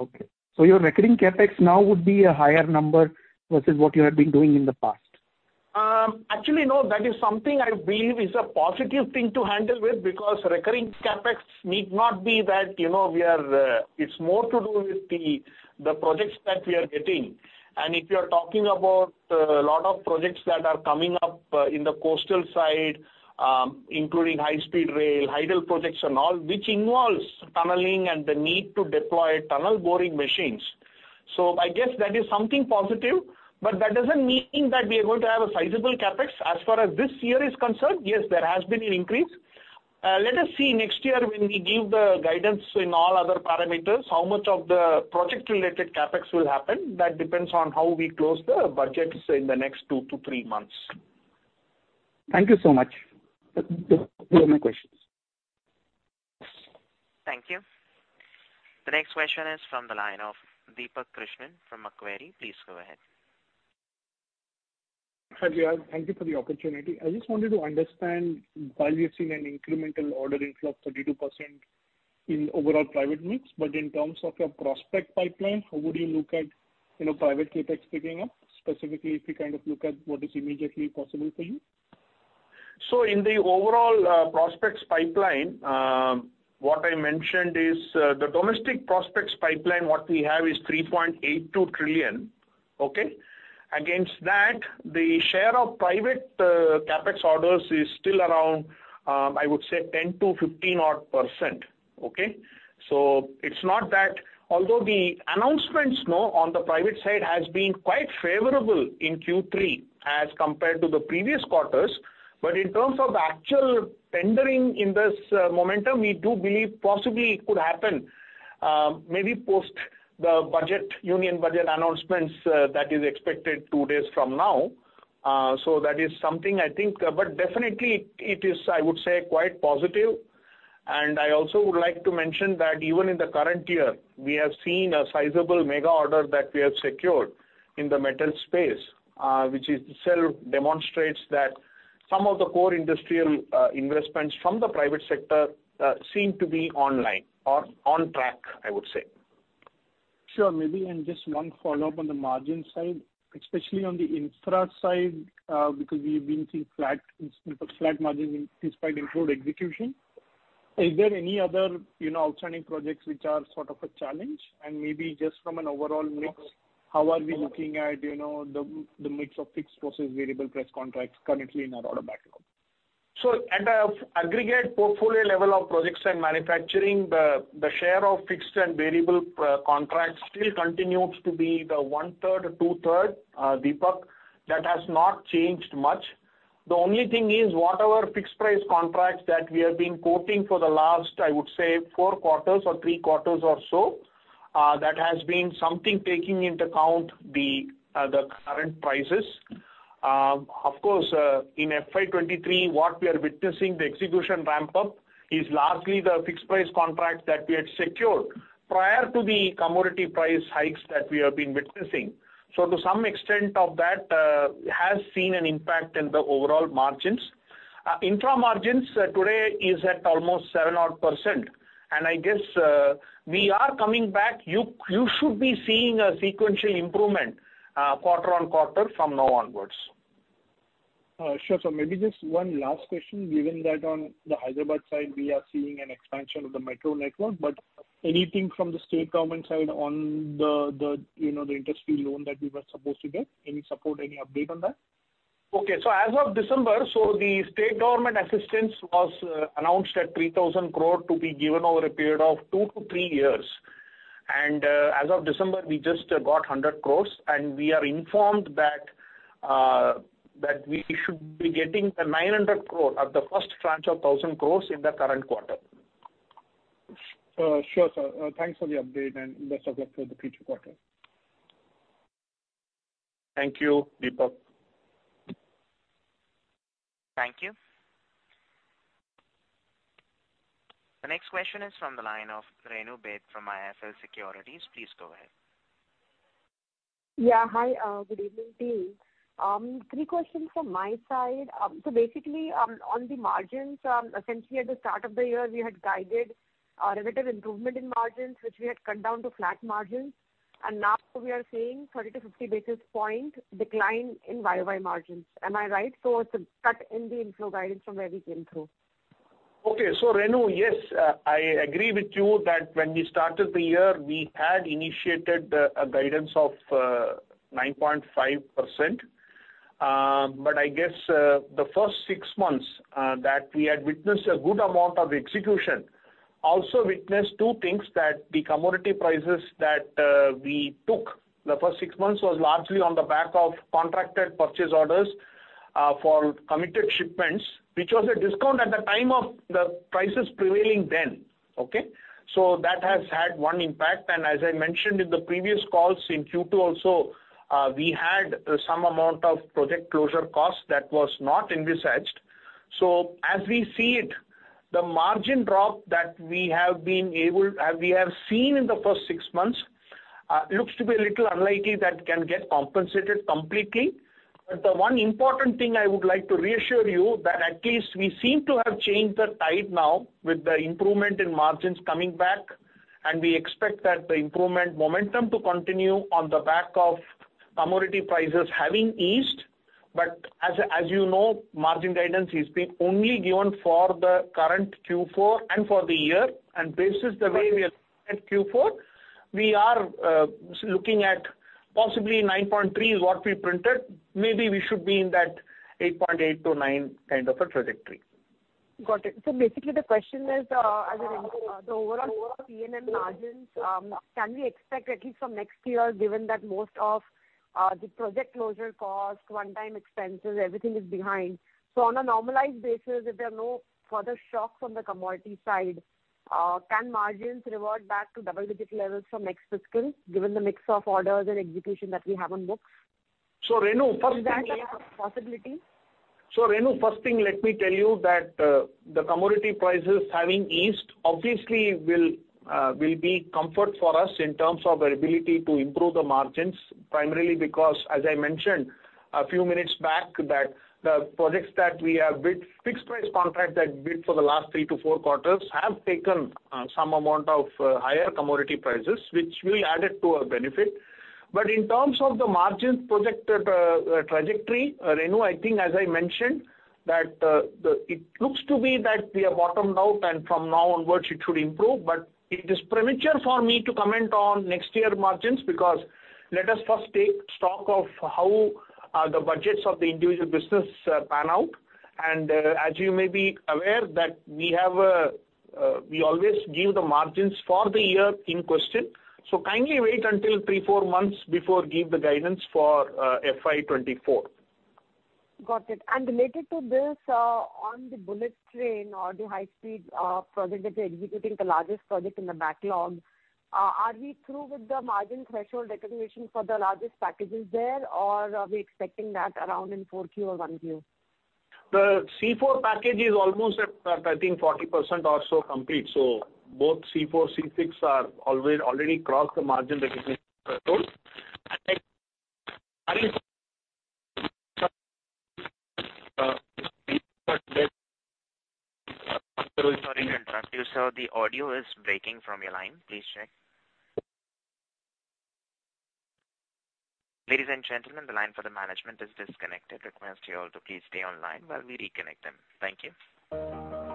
Speaker 3: Okay. Your recurring CapEx now would be a higher number versus what you have been doing in the past?
Speaker 2: Actually, no. That is something I believe is a positive thing to handle with because recurring CapEx need not be that, you know, we are. It's more to do with the projects that we are getting. If you are talking about a lot of projects that are coming up in the coastal side, including high-speed rail, hydel projects and all, which involves tunneling and the need to deploy tunnel boring machines. I guess that is something positive, but that doesn't mean that we are going to have a sizable CapEx. As far as this year is concerned, yes, there has been an increase. Let us see next year when we give the guidance in all other parameters, how much of the project-related CapEx will happen. That depends on how we close the budgets in the next two to three months.
Speaker 3: Thank you so much. Those were my questions.
Speaker 1: Thank you. The next question is from the line of Deepak Krishnan from Macquarie. Please go ahead.
Speaker 4: Hi, Jayant. Thank you for the opportunity. I just wanted to understand while we have seen an incremental order inflow of 32% in overall private mix, but in terms of your prospect pipeline, how would you look at, you know, private CapEx picking up, specifically if you kind of look at what is immediately possible for you?
Speaker 2: In the overall prospects pipeline, what I mentioned is the domestic prospects pipeline, what we have is 3.82 trillion. Okay? Against that, the share of private CapEx orders is still around, I would say 10% to 15% odd. Okay? Although the announcements now on the private side has been quite favorable in Q3 as compared to the previous quarters, but in terms of the actual tendering in this momentum, we do believe possibly it could happen maybe post the Union Budget announcements, that is expected two days from now. Definitely it is, I would say, quite positive. I also would like to mention that even in the current year, we have seen a sizable mega order that we have secured in the metal space, which itself demonstrates that some of the core industrial, investments from the private sector, seem to be online or on track, I would say.
Speaker 4: Sure. Maybe just one follow-up on the margin side, especially on the infra side, because we've been seeing flat margin in despite improved execution. Is there any other, you know, outstanding projects which are sort of a challenge? Maybe just from an overall mix, how are we looking at, you know, the mix of fixed versus variable price contracts currently in our order backlog?
Speaker 2: At the aggregate portfolio level of projects and manufacturing, the share of fixed and variable contracts still continues to be the one-third, two-third, Deepak. That has not changed much. The only thing is whatever fixed price contracts that we have been quoting for the last, I would say four quarters or three quarters or so, that has been something taking into account the current prices. Of course, in FY23, what we are witnessing the execution ramp-up is largely the fixed price contracts that we had secured prior to the commodity price hikes that we have been witnessing. To some extent of that has seen an impact in the overall margins. Intra-margins today is at almost 7%- odd . I guess, we are coming back. You should be seeing a sequential improvement, quarter-on-quarter from now onwards.
Speaker 4: Sure, sir. Maybe just one last question, given that on the Hyderabad side, we are seeing an expansion of the metro network, but anything from the state government side on the, you know, the industry loan that we were supposed to get? Any support, any update on that?
Speaker 2: As of December, the state government assistance was announced at 3,000 crore to be given over a period of two to three years. As of December, we just got 100 crore, and we are informed that we should be getting the 900 crore or the first tranche of 1,000 crore in the current quarter.
Speaker 4: Sure, sir. Thanks for the update and best of luck for the future quarter.
Speaker 2: Thank you, Deepak.
Speaker 1: Thank you. The next question is from the line of Renu Baid from IIFL Securities. Please go ahead.
Speaker 5: Yeah. Hi, good evening to you. three questions from my side. On the margins, essentially at the start of the year, we had guided a relative improvement in margins, which we had cut down to flat margins. Now we are seeing 30 to 50 basis points decline in YoY margins. Am I right? It's a cut in the inflow guidance from where we came through.
Speaker 2: Okay. Renu, yes, I agree with you that when we started the year, we had initiated the guidance of 9.5%. I guess the first six months that we had witnessed a good amount of execution, also witnessed two things that the commodity prices that we took the first six months was largely on the back of contracted purchase orders for committed shipments, which was a discount at the time of the prices prevailing then. Okay? That has had one impact, and as I mentioned in the previous calls in Q2 also, we had some amount of project closure costs that was not envisaged. As we see it, the margin drop that we have seen in the first 6 months looks to be a little unlikely that can get compensated completely. The one important thing I would like to reassure you that at least we seem to have changed the tide now with the improvement in margins coming back, and we expect that the improvement momentum to continue on the back of commodity prices having eased. As you know, margin guidance is being only given for the current Q4 and for the year. Basis the way we are looking at Q4, we are looking at possibly 9.3% is what we printed. Maybe we should be in that 8.8% to 9% kind of a trajectory.
Speaker 5: Got it. Basically, the question is, as in, the overall E&C margins, can we expect at least from next year, given that most of the project closure cost, one-time expenses, everything is behind. On a normalized basis, if there are no further shocks on the commodity side, can margins revert back to double-digit levels from next fiscal, given the mix of orders and execution that we have on books?
Speaker 2: Renu Baid, first thing.
Speaker 5: Is that a possibility?
Speaker 2: Renu, first thing let me tell you that the commodity prices having eased obviously will be comfort for us in terms of our ability to improve the margins, primarily because, as I mentioned a few minutes back, that the projects that we have bid, fixed price contract that bid for the last three to four quarters, have taken some amount of higher commodity prices, which will added to our benefit. In terms of the margins projected trajectory, Renu, I think as I mentioned, that it looks to be that we have bottomed out and from now onwards it should improve. It is premature for me to comment on next year margins because let us first take stock of how the budgets of the individual business pan out. As you may be aware that we have a, we always give the margins for the year in question. Kindly wait until three to four months before give the guidance for, FY 2024.
Speaker 5: Got it. Related to this, on the bullet train or the high speed project that you're executing, the largest project in the backlog, are we through with the margin threshold recognition for the largest packages there, or are we expecting that around in 4Q or 1Q?
Speaker 2: The C4 package is almost at, I think 40% or so complete. Both C4, C6 are already crossed the margin recognition thresholds.
Speaker 1: Sorry to interrupt you, sir. The audio is breaking from your line. Please check. Ladies and gentlemen, the line for the management is disconnected. Request you all to please stay online while we reconnect them. Thank you.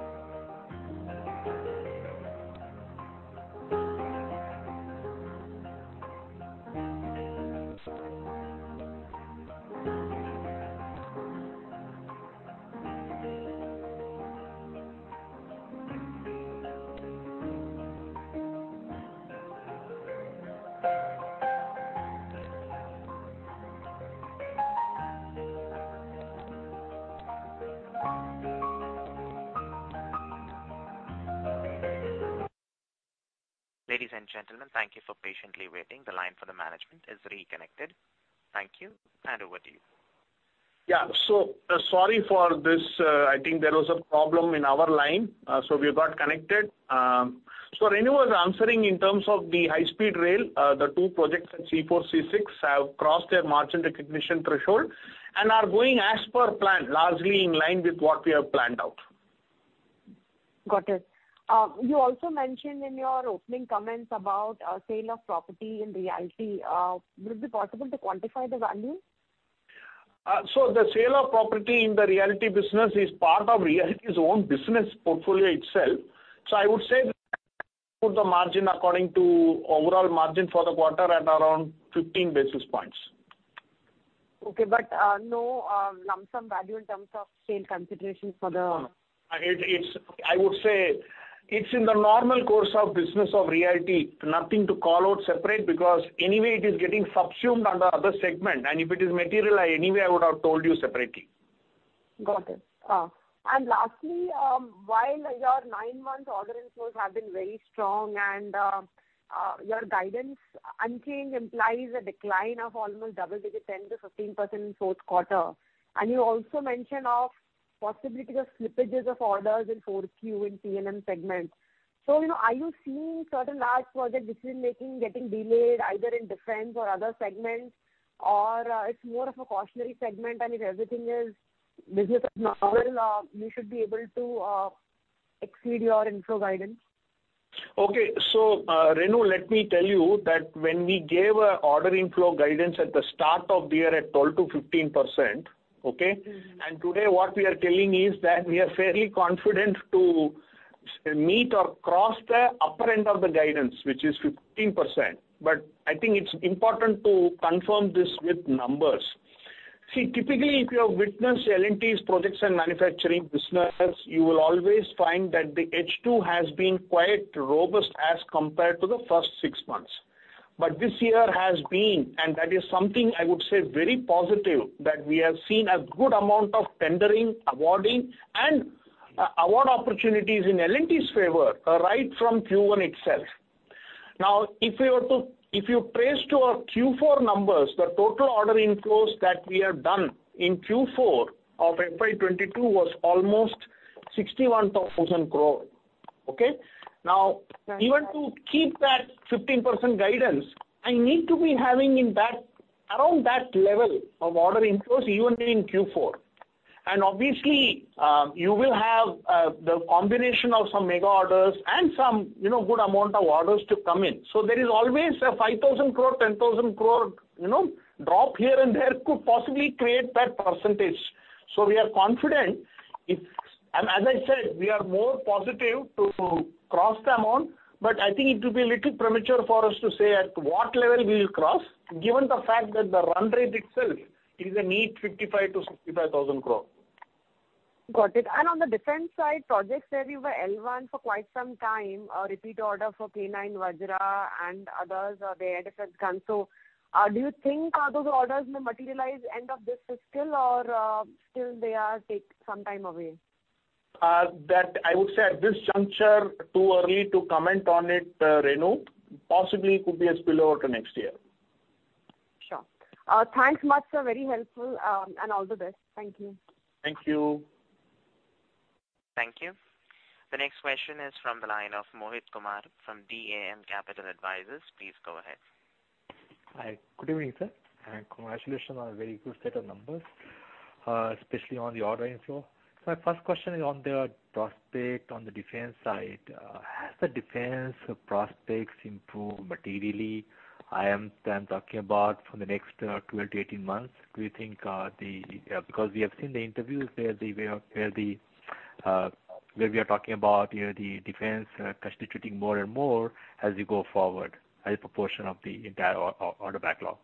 Speaker 1: Ladies and gentlemen, thank you for patiently waiting. The line for the management is reconnected. Thank you and over to you.
Speaker 2: Yeah. Sorry for this. I think there was a problem in our line, we got connected. Renu was answering in terms of the high-speed rail. The two projects in C4, C6 have crossed their margin recognition threshold and are going as per plan, largely in line with what we have planned out.
Speaker 5: Got it. You also mentioned in your opening comments about a sale of property in realty. Would it be possible to quantify the value?
Speaker 2: The sale of property in the Realty business is part of Realty's own business portfolio itself. I would say put the margin according to overall margin for the quarter at around 15 basis points.
Speaker 5: Okay, no, lump sum value in terms of sale considerations.
Speaker 2: I would say it's in the normal course of business of realty. Nothing to call out separate because anyway it is getting subsumed under other segment. If it is material, anyway I would have told you separately.
Speaker 5: Got it. Lastly, while your nine-month order inflows have been very strong and your guidance unchanged implies a decline of almost double digits, 10%-15% in Q4, and you also mention of possibility of slippages of orders in Q4 in E&C segment. You know, are you seeing certain large projects decision-making getting delayed either in defense or other segments? It's more of a cautionary segment, and if everything is business as normal, you should be able to exceed your inflow guidance?
Speaker 2: Okay. Renu, let me tell you that when we gave a order inflow guidance at the start of the year at 12% to 15%, okay?
Speaker 5: Mm-hmm.
Speaker 2: Today, what we are telling is that we are fairly confident to meet or cross the upper end of the guidance, which is 15%. I think it's important to confirm this with numbers. Typically, if you have witnessed L&T's projects and manufacturing business, you will always find that the H2 has been quite robust as compared to the first six months. This year has been, and that is something I would say very positive, that we have seen a good amount of tendering, awarding, and award opportunities in L&T's favor, right from Q1 itself. If you trace to our Q4 numbers, the total order inflows that we have done in Q4 of FY 2022 was almost 61,000 crore. Okay?
Speaker 5: Yeah.
Speaker 2: even to keep that 15% guidance, I need to be having in that, around that level of order inflows even in Q4. Obviously, you will have the combination of some mega orders and some, you know, good amount of orders to come in. There is always a 5,000 crore, 10,000 crore, you know, drop here and there could possibly create that percentage. We are confident. As I said, we are more positive to cross the amount, but I think it will be a little premature for us to say at what level we'll cross, given the fact that the run rate itself is a neat 55,000-65,000 crore.
Speaker 5: Got it. On the defense side, projects where you were L1 for quite some time, a repeat order for K9 Vajra and others are the air defense gun. Do you think those orders may materialize end of this fiscal or still they are take some time away?
Speaker 2: That I would say at this juncture, too early to comment on it, Renu. Possibly could be a spill over to next year.
Speaker 5: Sure. Thanks much, sir. Very helpful. All the best. Thank you.
Speaker 2: Thank you.
Speaker 1: Thank you. The next question is from the line of Mohit Kumar from DAM Capital Advisors. Please go ahead.
Speaker 6: Hi. Good evening, sir, and congratulations on a very good set of numbers, especially on the order inflow. My first question is on the prospect on the defense side. Has the defense prospects improved materially? I am then talking about for the next 12-18 months. Do you think, because we have seen the interviews where we are talking about, you know, the defense constituting more and more as you go forward as a proportion of the entire order backlog.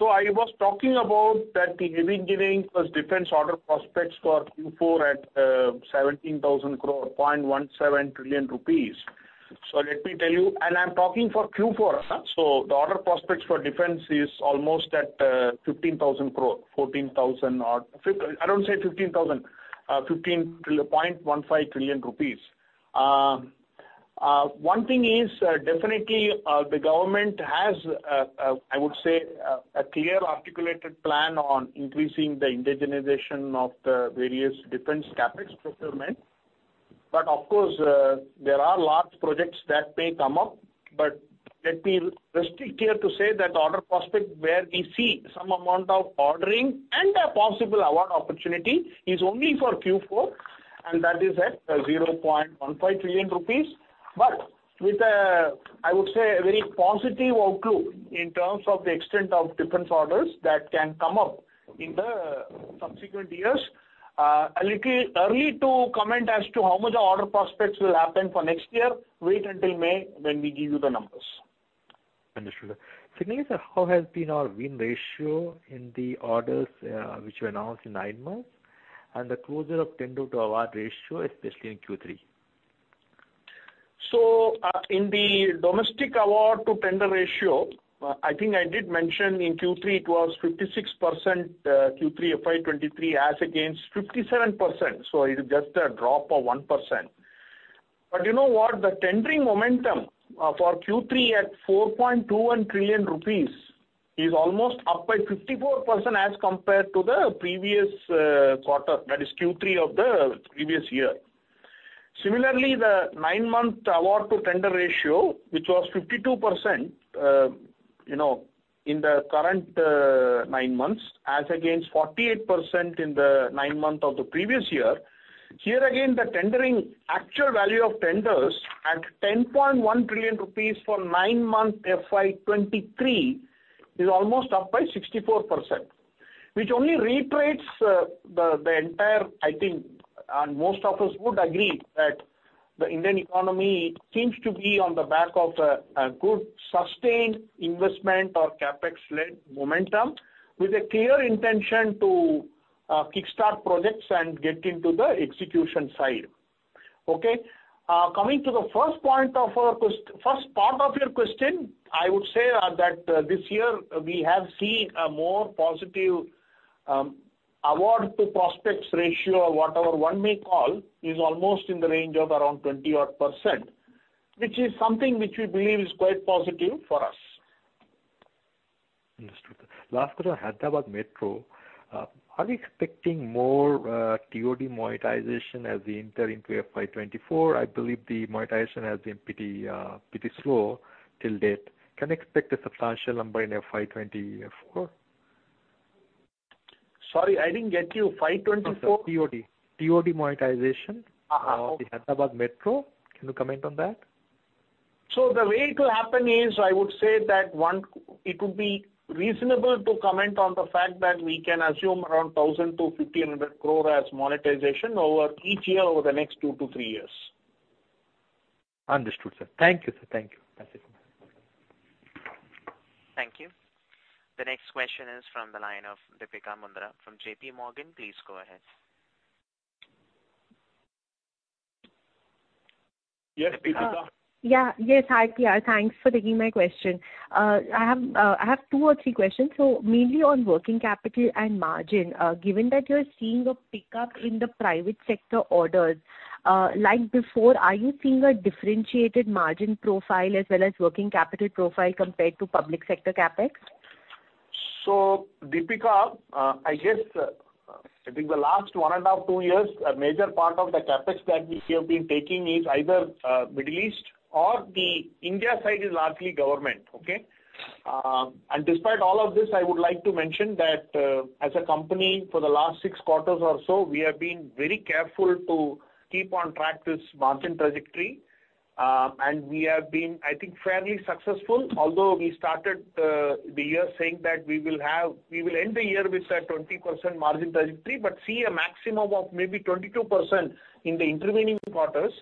Speaker 2: I was talking about that the earning giving plus defense order prospects for Q4 at 17,000 crore, 0.17 trillion rupees. Let me tell you, and I'm talking for Q4. The order prospects for defense is almost at 15,000 crore, 0.15 trillion rupees. One thing is definitely the government has I would say a clear articulated plan on increasing the indigenization of the various defense CapEx procurement. Of course, there are large projects that may come up, but let me restrict here to say that order prospect where we see some amount of ordering and a possible award opportunity is only for Q4, and that is at 0.15 trillion rupees. With a, I would say, a very positive outlook in terms of the extent of defense orders that can come up in the subsequent years, a little early to comment as to how much the order prospects will happen for next year. Wait until May when we give you the numbers.
Speaker 6: Understood. Secondly, sir, how has been our win ratio in the orders, which were announced in nine months, and the closure of tender to award ratio, especially in Q3?
Speaker 2: In the domestic award to tender ratio, I think I did mention in Q3 it was 56%, Q3 FY 2023 as against 57%, so it is just a drop of 1%. You know what? The tendering momentum for Q3 at 4.21 trillion rupees is almost up by 54% as compared to the previous quarter, that is Q3 of the previous year. Similarly, the nine-month award to tender ratio, which was 52%, you know, in the current nine months, as against 48% in the nine months of the previous year. Here again, the tendering actual value of tenders at 10.1 trillion rupees for nine-month FY23 is almost up by 64%, which only reiterates the entire, I think, and most of us would agree that the Indian economy seems to be on the back of a good sustained investment or CapEx led momentum with a clear intention to kickstart projects and get into the execution side. Coming to the first point of our first part of your question, I would say that this year we have seen a more positive award to prospects ratio, or whatever one may call, is almost in the range of around 20% odd, which is something which we believe is quite positive for us.
Speaker 6: Understood. Last question, Hyderabad Metro, are we expecting more TOD monetization as we enter into FY 2024? I believe the monetization has been pretty slow till date. Can I expect a substantial number in FY 2024?
Speaker 2: Sorry, I didn't get you. FY 2024.
Speaker 6: TOD. TOD monetization-
Speaker 2: Okay.
Speaker 6: of the Hyderabad Metro. Can you comment on that?
Speaker 2: The way it will happen is I would say that it would be reasonable to comment on the fact that we can assume around 1,000 crore-1,500 crore as monetization over each year over the next two to three years.
Speaker 6: Understood, sir. Thank you, sir. Thank you. That's it.
Speaker 1: Thank you. The next question is from the line of Deepika Mundra from JP Morgan. Please go ahead.
Speaker 2: Yes, Deepika.
Speaker 7: Yeah. Yes, hi, Piya. Thanks for taking my question. I have two or three questions. Mainly on working capital and margin. Given that you're seeing a pickup in the private sector orders, like before, are you seeing a differentiated margin profile as well as working capital profile compared to public sector CapEx?
Speaker 2: Deepika, I guess, I think the last 1.5, two years, a major part of the CapEx that we have been taking is either Middle East or the India side is largely government. Okay? Despite all of this, I would like to mention that as a company for the last 6 quarters or so, we have been very careful to keep on track this margin trajectory. We have been, I think, fairly successful, although we started the year saying that we will end the year with a 20% margin trajectory, but see a maximum of maybe 22% in the intervening quarters.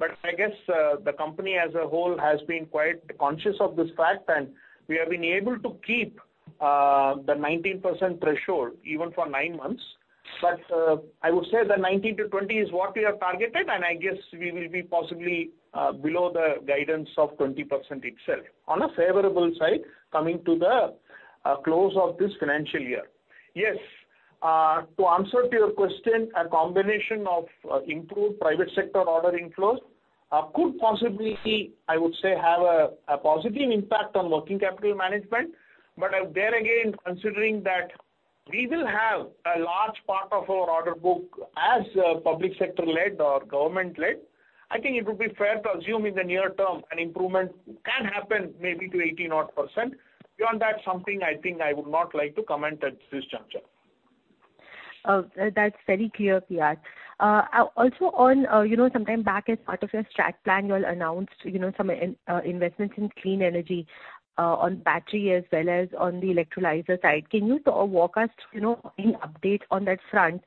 Speaker 2: I guess, the company as a whole has been quite conscious of this fact, and we have been able to keep the 19% threshold even for nine months. I would say that 19-20 is what we have targeted, and I guess we will be possibly below the guidance of 20% itself on a favorable side coming to the close of this financial year. To answer to your question, a combination of improved private sector order inflows could possibly, I would say, have a positive impact on working capital management. There again, considering that we will have a large part of our order book as public sector-led or government-led, I think it would be fair to assume in the near term an improvement can happen maybe to 18 odd %. Beyond that, something I think I would not like to comment at this juncture.
Speaker 7: Oh, that's very clear, Piya. Also on, you know, some time back as part of your strat plan, you all announced, you know, some investments in clean energy, on battery as well as on the electrolyzer side. Can you walk us through, you know, any update on that front?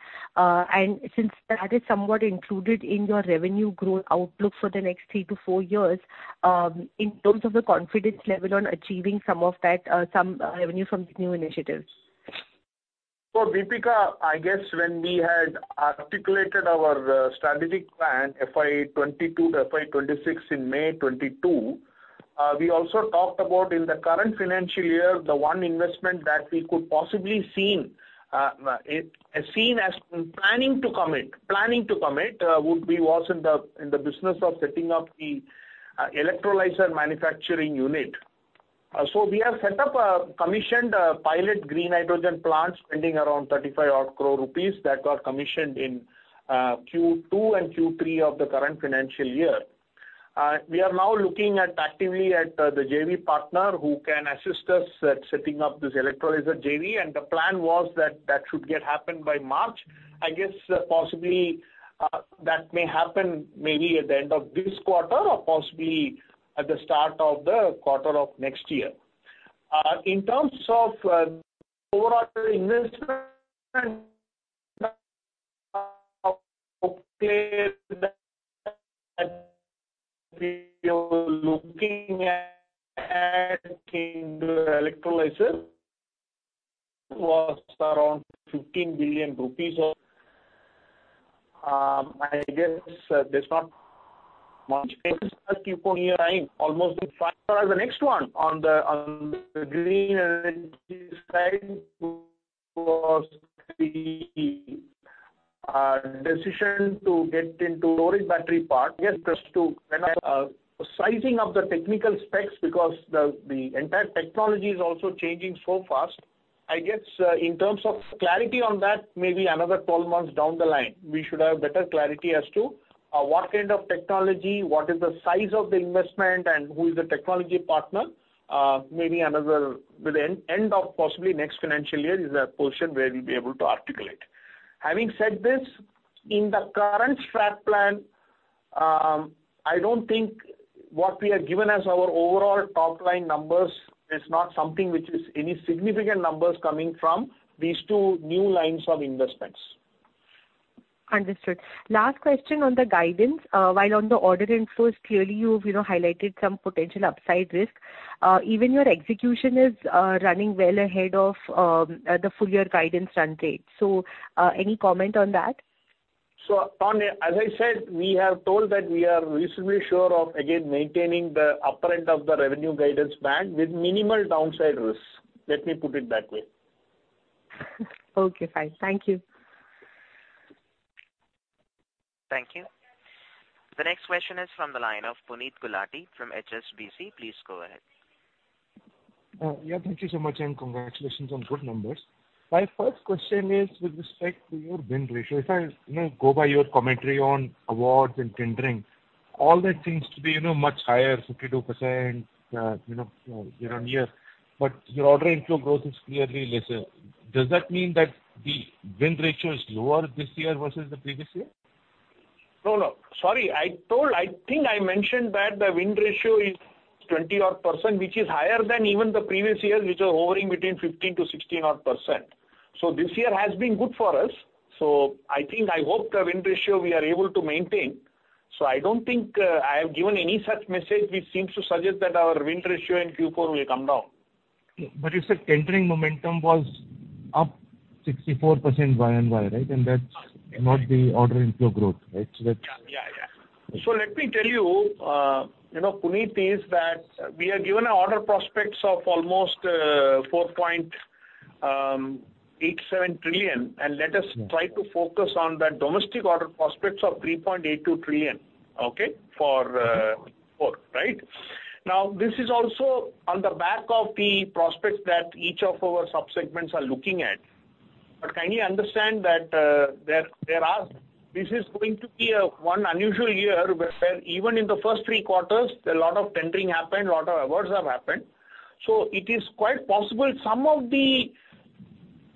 Speaker 7: Since that is somewhat included in your revenue growth outlook for the next three to four years, in terms of the confidence level on achieving some of that, some revenue from the new initiatives.
Speaker 2: Deepika, I guess when we had articulated our strategic plan FY 2022 to FY 2026 in May 22, we also talked about in the current financial year, the one investment that we could possibly seen as planning to commit would be was in the business of setting up the electrolyzer manufacturing unit. We have set up a commissioned pilot green hydrogen plant spending around 35 odd crore that got commissioned in Q2 and Q3 of the current financial year. We are now looking at actively at the JV partner who can assist us at setting up this electrolyzer JV, the plan was that that should get happened by March. I guess possibly, that may happen maybe at the end of this quarter or possibly at the start of the quarter of next year. In terms of overall investment looking at electrolyzer was around 15 billion rupees. I guess there's not much coupon here. I'm almost as far as the next one on the green energy side was the decision to get into storage battery part. I guess just to when sizing of the technical specs because the entire technology is also changing so fast. I guess, in terms of clarity on that, maybe another 12 months down the line, we should have better clarity as to what kind of technology, what is the size of the investment, and who is the technology partner. Maybe with the end of possibly next financial year is a portion where we'll be able to articulate. Having said this, in the current strat plan, I don't think what we have given as our overall top-line numbers is not something which is any significant numbers coming from these two new lines of investments.
Speaker 7: Understood. Last question on the guidance. While on the order inflows, clearly you've, you know, highlighted some potential upside risk. Even your execution is running well ahead of the full year guidance run rate. Any comment on that?
Speaker 2: Tony, as I said, we have told that we are reasonably sure of, again, maintaining the upper end of the revenue guidance band with minimal downside risk. Let me put it that way.
Speaker 7: Okay, fine. Thank you.
Speaker 1: Thank you. The next question is from the line of Puneet Gulati from HSBC. Please go ahead.
Speaker 8: Yeah, thank you so much, and congratulations on good numbers. My first question is with respect to your win ratio. If I, you know, go by your commentary on awards and tendering, all that seems to be, you know, much higher, 52%, you know, year-on-year, but your order inflow growth is clearly lesser. Does that mean that the win ratio is lower this year versus the previous year?
Speaker 2: No, no. Sorry. I think I mentioned that the win ratio is 20% odd, which is higher than even the previous years, which are hovering between 15%-16% odd. This year has been good for us, so I think, I hope the win ratio we are able to maintain. I don't think I have given any such message which seems to suggest that our win ratio in Q4 will come down.
Speaker 8: You said tendering momentum was up 64% Y -on- Y, right? That's not the order inflow growth, right? That's-
Speaker 2: Yeah, yeah. Let me tell you know, Puneet, is that we are given order prospects of almost 4.87 trillion, Let us try to focus on the domestic order prospects of 3.82 trillion, okay? For Q4, right? This is also on the back of the prospects that each of our sub-segments are looking at. Kindly understand that this is going to be one unusual year where even in the first three quarters, a lot of tendering happened, a lot of awards have happened. It is quite possible some of the,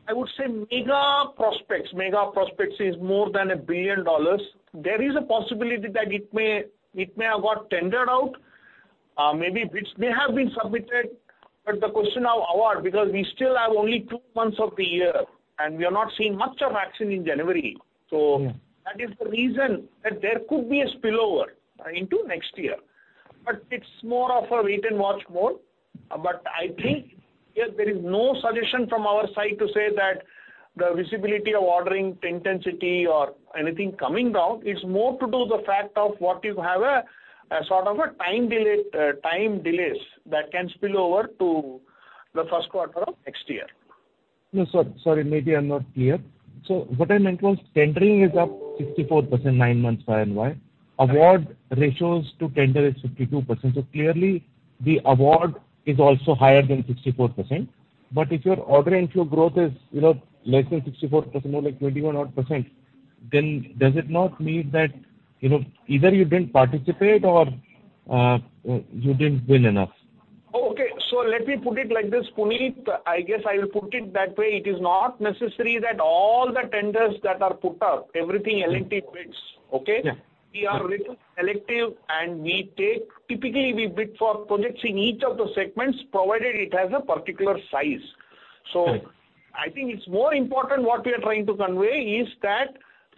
Speaker 2: I would say, mega prospects, mega prospects is more than $1 billion. There is a possibility that it may have got tendered out, maybe bids may have been submitted. The question of award, because we still have only two months of the year, and we are not seeing much of action in January. That is the reason that there could be a spillover into next year. It's more of a wait-and-watch mode. I think there is no suggestion from our side to say that the visibility of ordering intensity or anything coming down, it's more to do the fact of what you have a sort of a time delay, time delays that can spill over to the first quarter of next year.
Speaker 8: No, sir. Sorry, maybe I'm not clear. What I meant was tendering is up 64% nine months Y -on - Y. Award ratios to tender is 52%. Clearly the award is also higher than 64%. If your order inflow growth is, you know, less than 64%, more like 21% odd, then does it not mean that, you know, either you didn't participate or you didn't win enough?
Speaker 2: Okay. Let me put it like this, Puneet. I guess I will put it that way. It is not necessary that all the tenders that are put up, everything L&T bids. Okay?
Speaker 8: Yeah.
Speaker 2: We are little selective. Typically, we bid for projects in each of the segments, provided it has a particular size.
Speaker 8: Okay.
Speaker 2: I think it's more important what we are trying to convey is that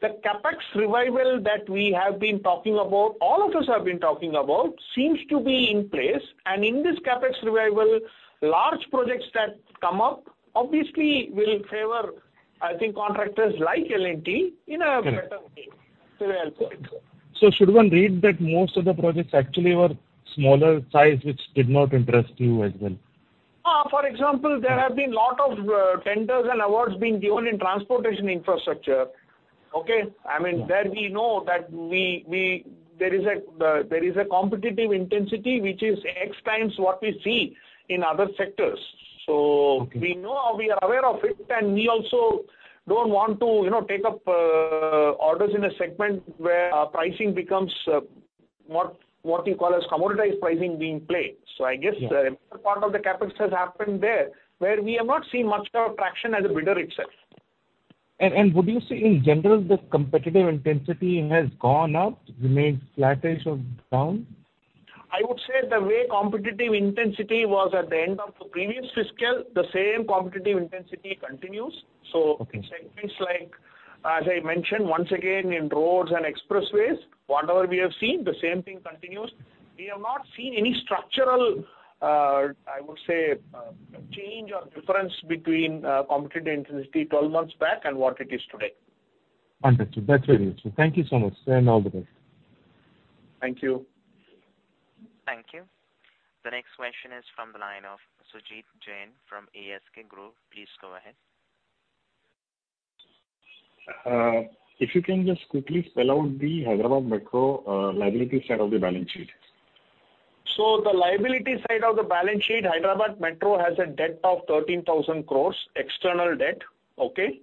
Speaker 2: the CapEx revival that we have been talking about, all of us have been talking about, seems to be in place. In this CapEx revival, large projects that come up obviously will favor, I think, contractors like L&T in a better way. I'll put it that way.
Speaker 8: Should one read that most of the projects actually were smaller size, which did not interest you as well?
Speaker 2: For example, there have been lot of tenders and awards being given in transportation infrastructure. Okay? I mean, there we know that we there is a competitive intensity which is X times what we see in other sectors.
Speaker 8: Okay.
Speaker 2: We know, we are aware of it, and we also don't want to, you know, take up orders in a segment where our pricing becomes what you call as commoditized pricing being played.
Speaker 8: Yeah.
Speaker 2: I guess a better part of the CapEx has happened there, where we have not seen much of traction as a bidder itself.
Speaker 8: Would you say in general the competitive intensity has gone up, remained flattish or down?
Speaker 2: I would say the way competitive intensity was at the end of the previous fiscal, the same competitive intensity continues.
Speaker 8: Okay.
Speaker 2: Segments like, as I mentioned, once again in roads and expressways, whatever we have seen, the same thing continues. We have not seen any structural, I would say, change or difference between competitive intensity 12 months back and what it is today.
Speaker 8: Understood. That's very useful. Thank you so much, and all the best.
Speaker 2: Thank you.
Speaker 1: Thank you. The next question is from the line of Sujit Jain from ASK Group. Please go ahead.
Speaker 9: If you can just quickly spell out the Hyderabad Metro, liability side of the balance sheet.
Speaker 2: The liability side of the balance sheet, Hyderabad Metro has a debt of 13,000 crores, external debt, okay?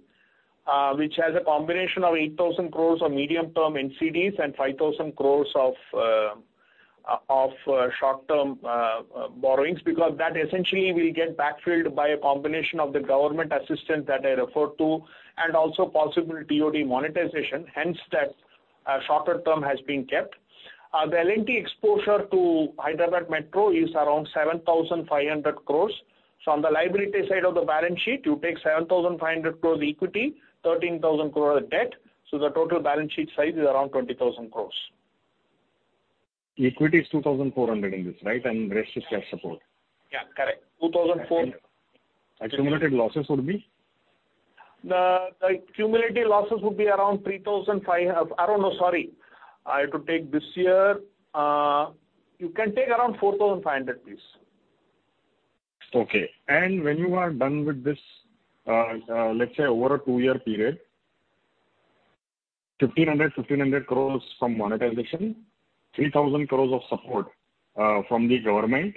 Speaker 2: Which has a combination of 8,000 crores of medium-term NCDs and 5,000 crores of short-term borrowings, because that essentially will get backfilled by a combination of the government assistance that I referred to and also possible TOD monetization, hence that shorter term has been kept. The L&T exposure to Hyderabad Metro is around 7,500 crores. On the liability side of the balance sheet, you take 7,500 crores equity, 13,000 crore debt, so the total balance sheet size is around 20,000 crores.
Speaker 9: Equity is 2,400 in this, right? Rest is cash support.
Speaker 2: Yeah, correct.
Speaker 9: Accumulated losses would be?
Speaker 2: The cumulative losses would be around I don't know. Sorry. I have to take this year. You can take around 4,500, please.
Speaker 9: Okay. When you are done with this, let's say over a two-year period, 1,500 crores from monetization, 3,000 crores of support from the government,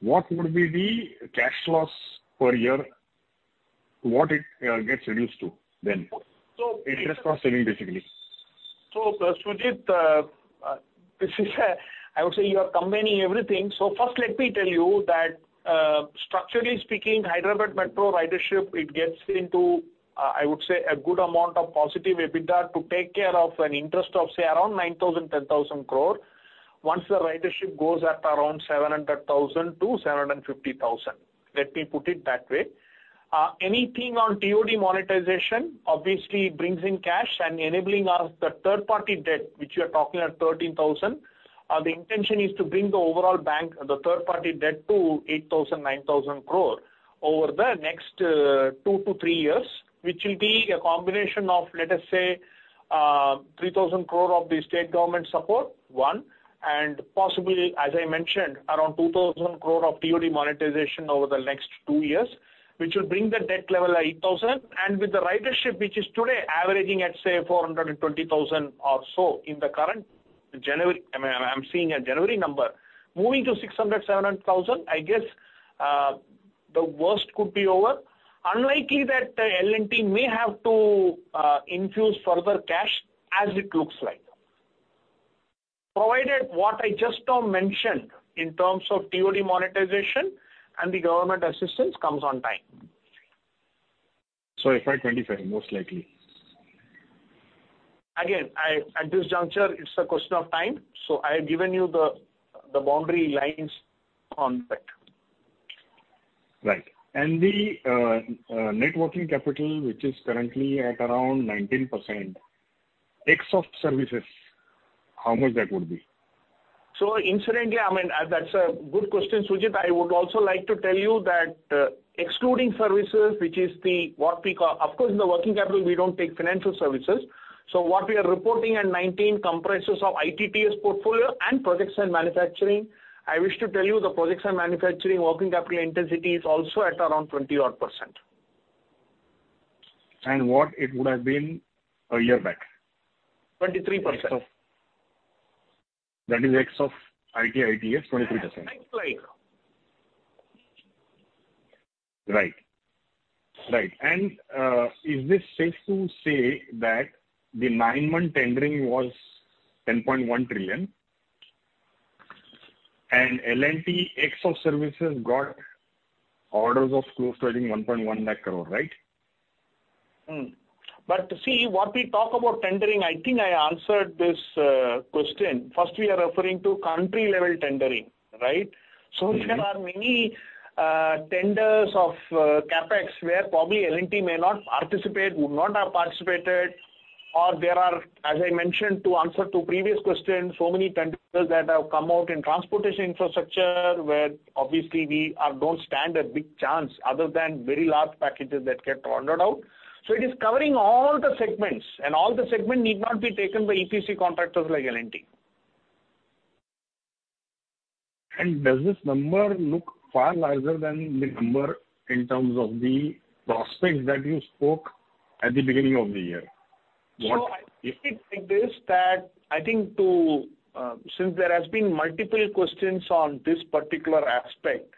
Speaker 9: what would be the cash loss per year? What it gets reduced to then?
Speaker 2: So-
Speaker 9: Interest cost saving, basically.
Speaker 2: Sujit, I would say you are combining everything. First let me tell you that, structurally speaking, Hyderabad Metro ridership, it gets into, I would say a good amount of positive EBITDA to take care of an interest of, say, around 9,000 crore-10,000 crore once the ridership goes at around 700,000-750,000. Let me put it that way. Anything on TOD monetization obviously brings in cash and enabling us the third party debt which you are talking at 13,000 crore. The intention is to bring the overall bank, the third party debt to 8,000-9,000 crore over the next two to three years, which will be a combination of, let us say, 3,000 crore of the state government support, one, and possibly, as I mentioned, around 2,000 crore of TOD monetization over the next two years, which will bring the debt level 8,000. With the ridership, which is today averaging at, say, 420,000 or so in the current January, I mean, I'm seeing a January number, moving to 600,000 to 700,000, I guess, the worst could be over. Unlikely that L&T may have to infuse further cash as it looks like. Provided what I just now mentioned in terms of TOD monetization and the government assistance comes on time.
Speaker 9: FY 2025, most likely.
Speaker 2: At this juncture, it's a question of time, so I've given you the boundary lines on that.
Speaker 9: Right. The net working capital, which is currently at around 19%, ex of services, how much that would be?
Speaker 2: Incidentally, I mean, that's a good question, Sujit. I would also like to tell you that, excluding services, of course, in the working capital, we don't take financial services. What we are reporting at 19 comprises of ITTS portfolio and projects and manufacturing. I wish to tell you the projects and manufacturing working capital intensity is also at around 20 odd %.
Speaker 9: What it would have been a year back?
Speaker 2: 23%.
Speaker 9: That is ex of IT, ITTS, 23%.
Speaker 2: Right.
Speaker 9: Right. Right. Is it safe to say that the nine-month tendering was 10.1 trillion, and L&T ex of services got orders of close to I think 1.1 lakh crore, right?
Speaker 2: See, what we talk about tendering, I think I answered this question. First, we are referring to country-level tendering, right?
Speaker 9: Mm-hmm.
Speaker 2: There are many tenders of CapEx, where probably L&T may not participate, would not have participated. There are, as I mentioned to answer to previous questions, so many tenders that have come out in transportation infrastructure, where obviously we don't stand a big chance other than very large packages that get tendered out. It is covering all the segments, and all the segment need not be taken by EPC contractors like L&T.
Speaker 9: Does this number look far larger than the number in terms of the prospects that you spoke at the beginning of the year?
Speaker 2: I take this that I think to, since there has been multiple questions on this particular aspect,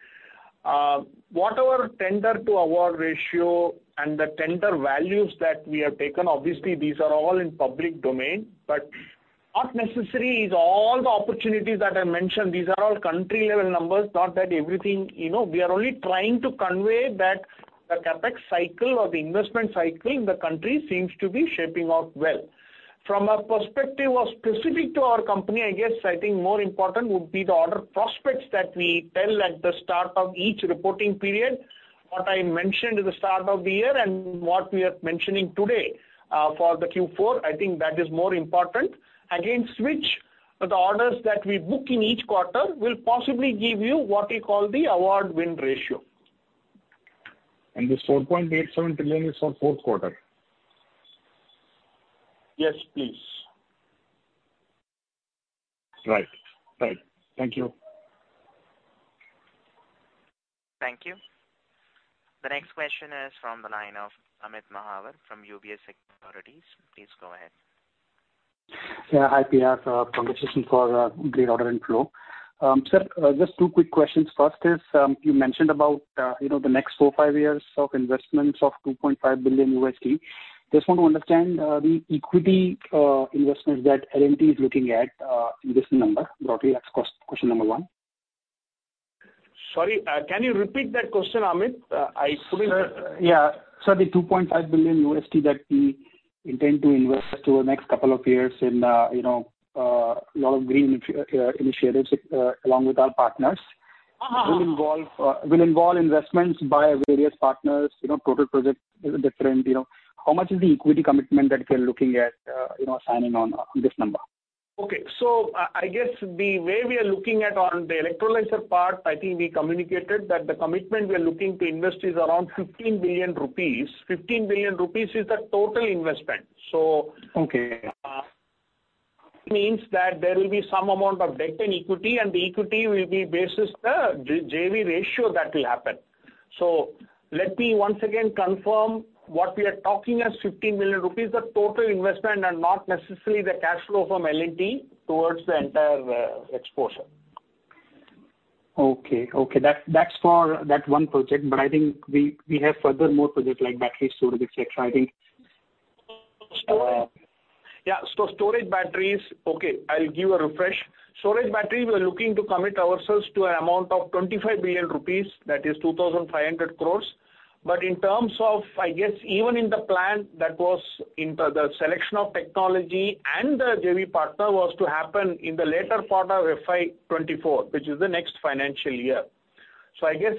Speaker 2: what our tender to award ratio and the tender values that we have taken, obviously these are all in public domain. Not necessary is all the opportunities that I mentioned. These are all country level numbers. Not that everything, you know, we are only trying to convey that the CapEx cycle or the investment cycle in the country seems to be shaping out well. From a perspective of specific to our company, I guess I think more important would be the order prospects that we tell at the start of each reporting period. What I mentioned at the start of the year and what we are mentioning today, for the Q4, I think that is more important. Against which the orders that we book in each quarter will possibly give you what we call the award win ratio.
Speaker 9: This 4.87 trillion is for Q4?
Speaker 2: Yes, please.
Speaker 9: Right. Right. Thank you.
Speaker 1: Thank you. The next question is from the line of Amit Mahawar from UBS Securities. Please go ahead.
Speaker 10: Yeah. Hi, PR. Congratulations for the great order inflow. Sir, just two quick questions. First is, you know, the next four, five years of investments of $2.5 billion. Just want to understand the equity investments that L&T is looking at in this number. Roughly that's question number one.
Speaker 2: Sorry, can you repeat that question, Amit? I couldn't.
Speaker 10: Sir, yeah. The $2.5 billion that we intend to invest through the next couple of years in, you know, lot of green initiatives, along with our partners will involve investments by various partners, you know, total project different, you know. How much is the equity commitment that we're looking at, you know, signing on this number?
Speaker 2: Okay. I guess the way we are looking at on the electrolyzer part, I think we communicated that the commitment we are looking to invest is around 15 billion rupees. 15 billion rupees is the total investment.
Speaker 10: Okay.
Speaker 2: means that there will be some amount of debt and equity, and the equity will be basis the JV ratio that will happen. Let me once again confirm what we are talking as 15 billion rupees, the total investment, and not necessarily the cash flow from L&T towards the entire exposure.
Speaker 10: Okay. Okay. That's for that one project. I think we have further more projects like battery storage et cetera.
Speaker 2: Storage batteries. Okay, I'll give a refresh. Storage battery, we are looking to commit ourselves to an amount of 25 billion rupees, that is 2,500 crores. In terms of, I guess, even in the plan that was in the selection of technology and the JV partner was to happen in the later part of FY 2024, which is the next financial year. I guess,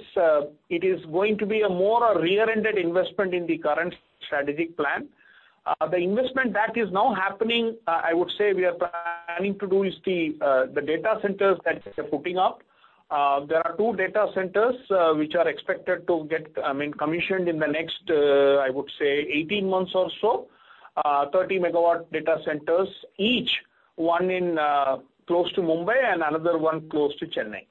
Speaker 2: it is going to be a more rear-ended investment in the current strategic plan. The investment that is now happening, I would say we are planning to do is the data centers that we are putting up. There are two data centers, which are expected to get, I mean, commissioned in the next, I would say 18 months or so. 30 megawatt data centers, each one in close to Mumbai and another one close to Chennai.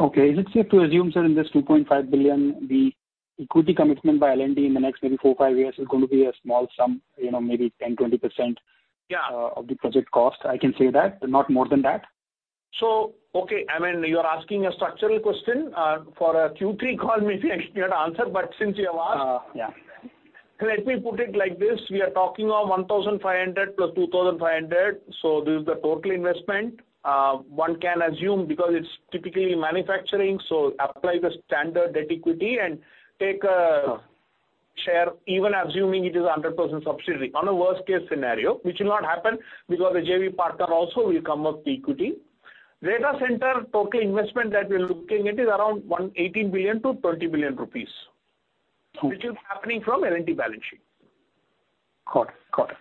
Speaker 10: Okay. Is it safe to assume, sir, in this $2.5 billion, the equity commitment by L&T in the next maybe four, five years is going to be a small sum, you know, maybe 10%-20%-
Speaker 2: Yeah.
Speaker 10: Of the project cost? I can say that, but not more than that.
Speaker 2: Okay. I mean, you're asking a structural question, for a Q3 call maybe I should answer, but since you have asked.
Speaker 10: Yeah.
Speaker 2: Let me put it like this. We are talking of 1,500 plus 2,500. This is the total investment. One can assume because it's typically manufacturing, apply the standard debt-equity and take a share, even assuming it is a 100% subsidiary on the worst case scenario, which will not happen because the JV partner also will come up the equity. Data center total investment that we're looking at is around 18 billion-20 billion rupees.
Speaker 10: Cool.
Speaker 2: Which is happening from L&T balance sheet.
Speaker 10: Got it. Got it.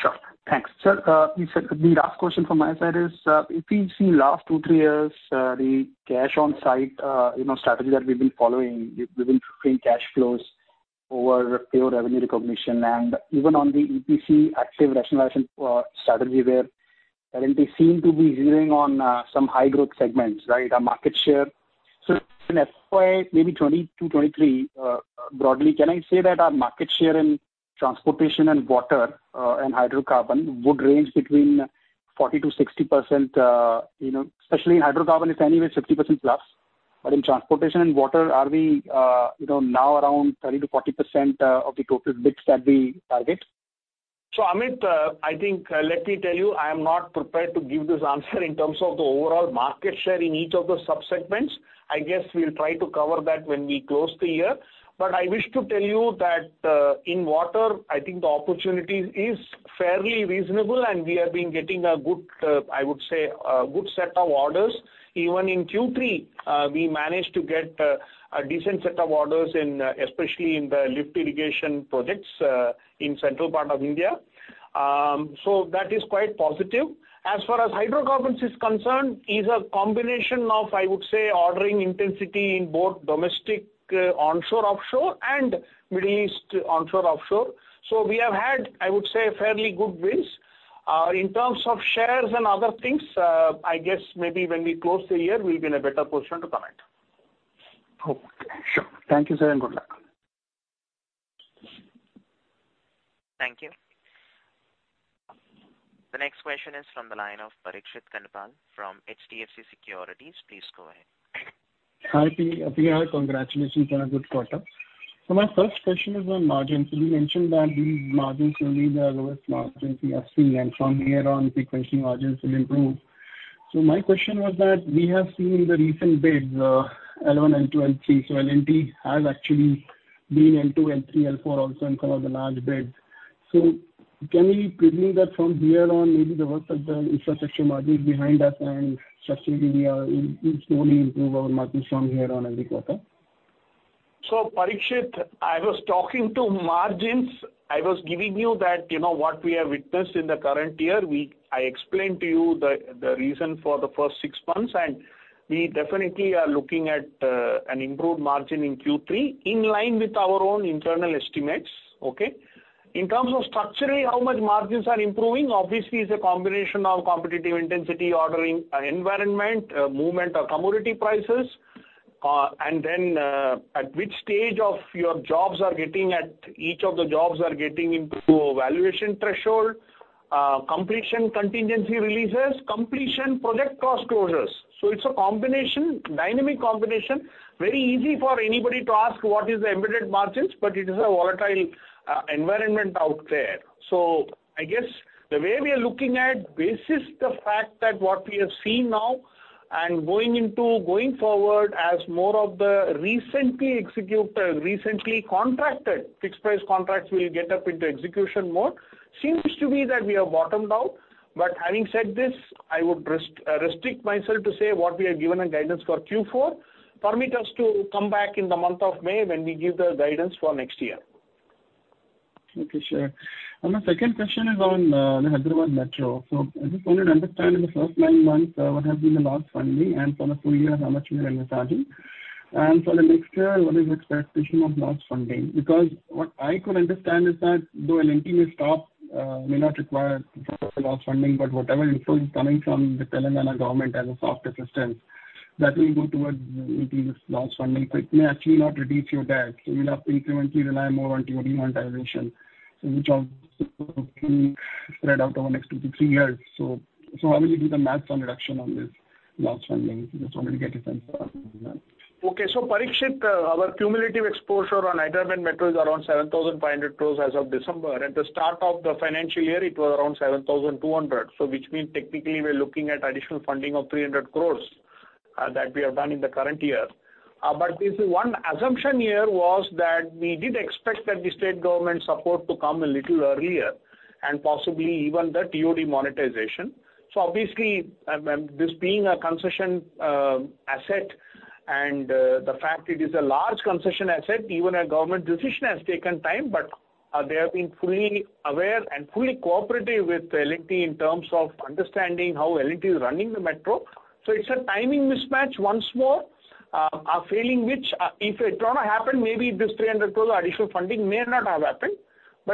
Speaker 10: Sure. Thanks. Sir, the last question from my side is, if we've seen last two, three years, the cash on site, you know, strategy that we've been following, we've been freeing cash flows over pure revenue recognition. Even on the EPC active rationalization strategy where L&T seem to be zeroing on some high growth segments, right? Our market share. In FY maybe 2022, 2023, broadly, can I say that our market share in transportation and water, and hydrocarbon would range between 40%-60%, you know? Especially in hydrocarbon, it's anyway 60% plus. In transportation and water, are we, you know, now around 30%-40% of the total bits that we target?
Speaker 2: Amit, I think, let me tell you, I am not prepared to give this answer in terms of the overall market share in each of the sub-segments. I guess we'll try to cover that when we close the year. I wish to tell you that, in water, I think the opportunity is fairly reasonable, and we have been getting a good, I would say, a good set of orders. Even in Q3, we managed to get a decent set of orders in especially in the lift irrigation projects in central part of India. That is quite positive. As far as hydrocarbons is concerned, is a combination of, I would say, ordering intensity in both domestic onshore/offshore and Middle East onshore/offshore. We have had, I would say, fairly good wins. In terms of shares and other things, I guess maybe when we close the year we'll be in a better position to comment.
Speaker 10: Okay. Sure. Thank you, sir, and good luck.
Speaker 1: Thank you. The next question is from the line of Parikshit Kandpal from HDFC Securities. Please go ahead.
Speaker 11: Hi, P. congratulations on a good quarter. My first question is on margins. You mentioned that these margins will be the lowest margins we have seen, and from here on, sequentially margins will improve. My question was that we have seen the recent bids, L1, L2, L3. L&T has actually been L2, L3, L4 also in some of the large bids. Can we presume that from here on maybe the worst of the infrastructure margin is behind us and structurally we'll slowly improve our margins from here on every quarter?
Speaker 2: Parikshit, I was talking to margins. I was giving you that, you know, what we have witnessed in the current year. I explained to you the reason for the first six months, and we definitely are looking at an improved margin in Q3 in line with our own internal estimates. Okay? In terms of structurally how much margins are improving, obviously it's a combination of competitive intensity, ordering environment, movement of commodity prices, and then, at which stage of your jobs each of the jobs are getting into a valuation threshold, completion contingency releases, completion project cost closures. It's a combination, dynamic combination. Very easy for anybody to ask what is the embedded margins, but it is a volatile environment out there. I guess the way we are looking at basis the fact that what we have seen now and going forward as more of the recently execute, recently contracted fixed price contracts will get up into execution mode, seems to be that we have bottomed out. Having said this, I would restrict myself to say what we have given a guidance for Q4. Permit us to come back in the month of May when we give the guidance for next year.
Speaker 11: Okay, sure. My second question is on the Hyderabad Metro. I just wanted to understand in the first nine months, what has been the loss funding, and for the full year how much you are envisaging. For the next year, what is your expectation of loss funding? Because what I could understand is that though an L&T may stop, may not require loss funding, but whatever info is coming from the Telangana government as a soft assistance, that will go towards L&T's loss funding. It may actually not reduce your debt, so you'll have to incrementally rely more on TOD monetization, which also can spread out over the next two to three years. How will you do the math on reduction on this loss funding? Just wanted to get a sense of that.
Speaker 2: Okay. Parikshit, our cumulative exposure on Hyderabad Metro is around 7,500 crores as of December. At the start of the financial year, it was around 7,200 crores. Which means technically we're looking at additional funding of 300 crores that we have done in the current year. If one assumption here was that we did expect that the state government support to come a little earlier and possibly even the TOD monetization. Obviously, this being a concession asset and the fact it is a large concession asset, even a government decision has taken time, but they have been fully aware and fully cooperative with L&T in terms of understanding how L&T is running the metro. It's a timing mismatch once more, a failing which, if it wanna happen, maybe this 300 crore additional funding may not have happened.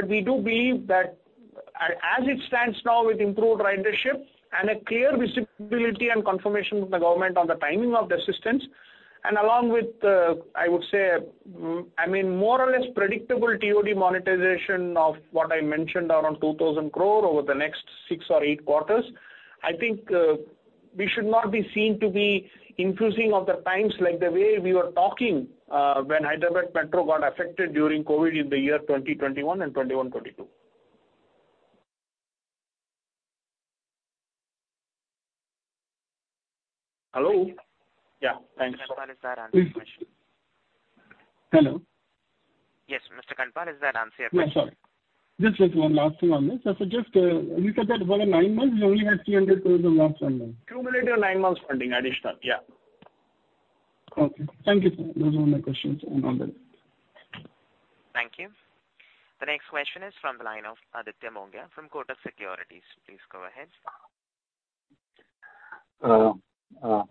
Speaker 2: We do believe that as it stands now with improved ridership and a clear visibility and confirmation with the government on the timing of the assistance, and along with, I would say, I mean, more or less predictable TOD monetization of what I mentioned around 2,000 crore over the next six or eight quarters, I think, we should not be seen to be increasing of the times like the way we were talking, when Hyderabad Metro got affected during COVID in the year 2021 and 2021 to 22. Hello?
Speaker 11: Yeah, thanks.
Speaker 1: Mr. Kandpal, does that answer your question?
Speaker 2: Hello.
Speaker 1: Mr. Kandpal, does that answer your question?
Speaker 11: Yeah, sorry. This is one last one on this. I suggest, you said that over nine months you only had 300 crore of loss funding.
Speaker 2: Cumulative nine months funding additional. Yeah.
Speaker 11: Okay, thank you. Those were my questions and all the best.
Speaker 1: Thank you. The next question is from the line of Aditya Mongia from Kotak Securities. Please go ahead.
Speaker 12: Yes.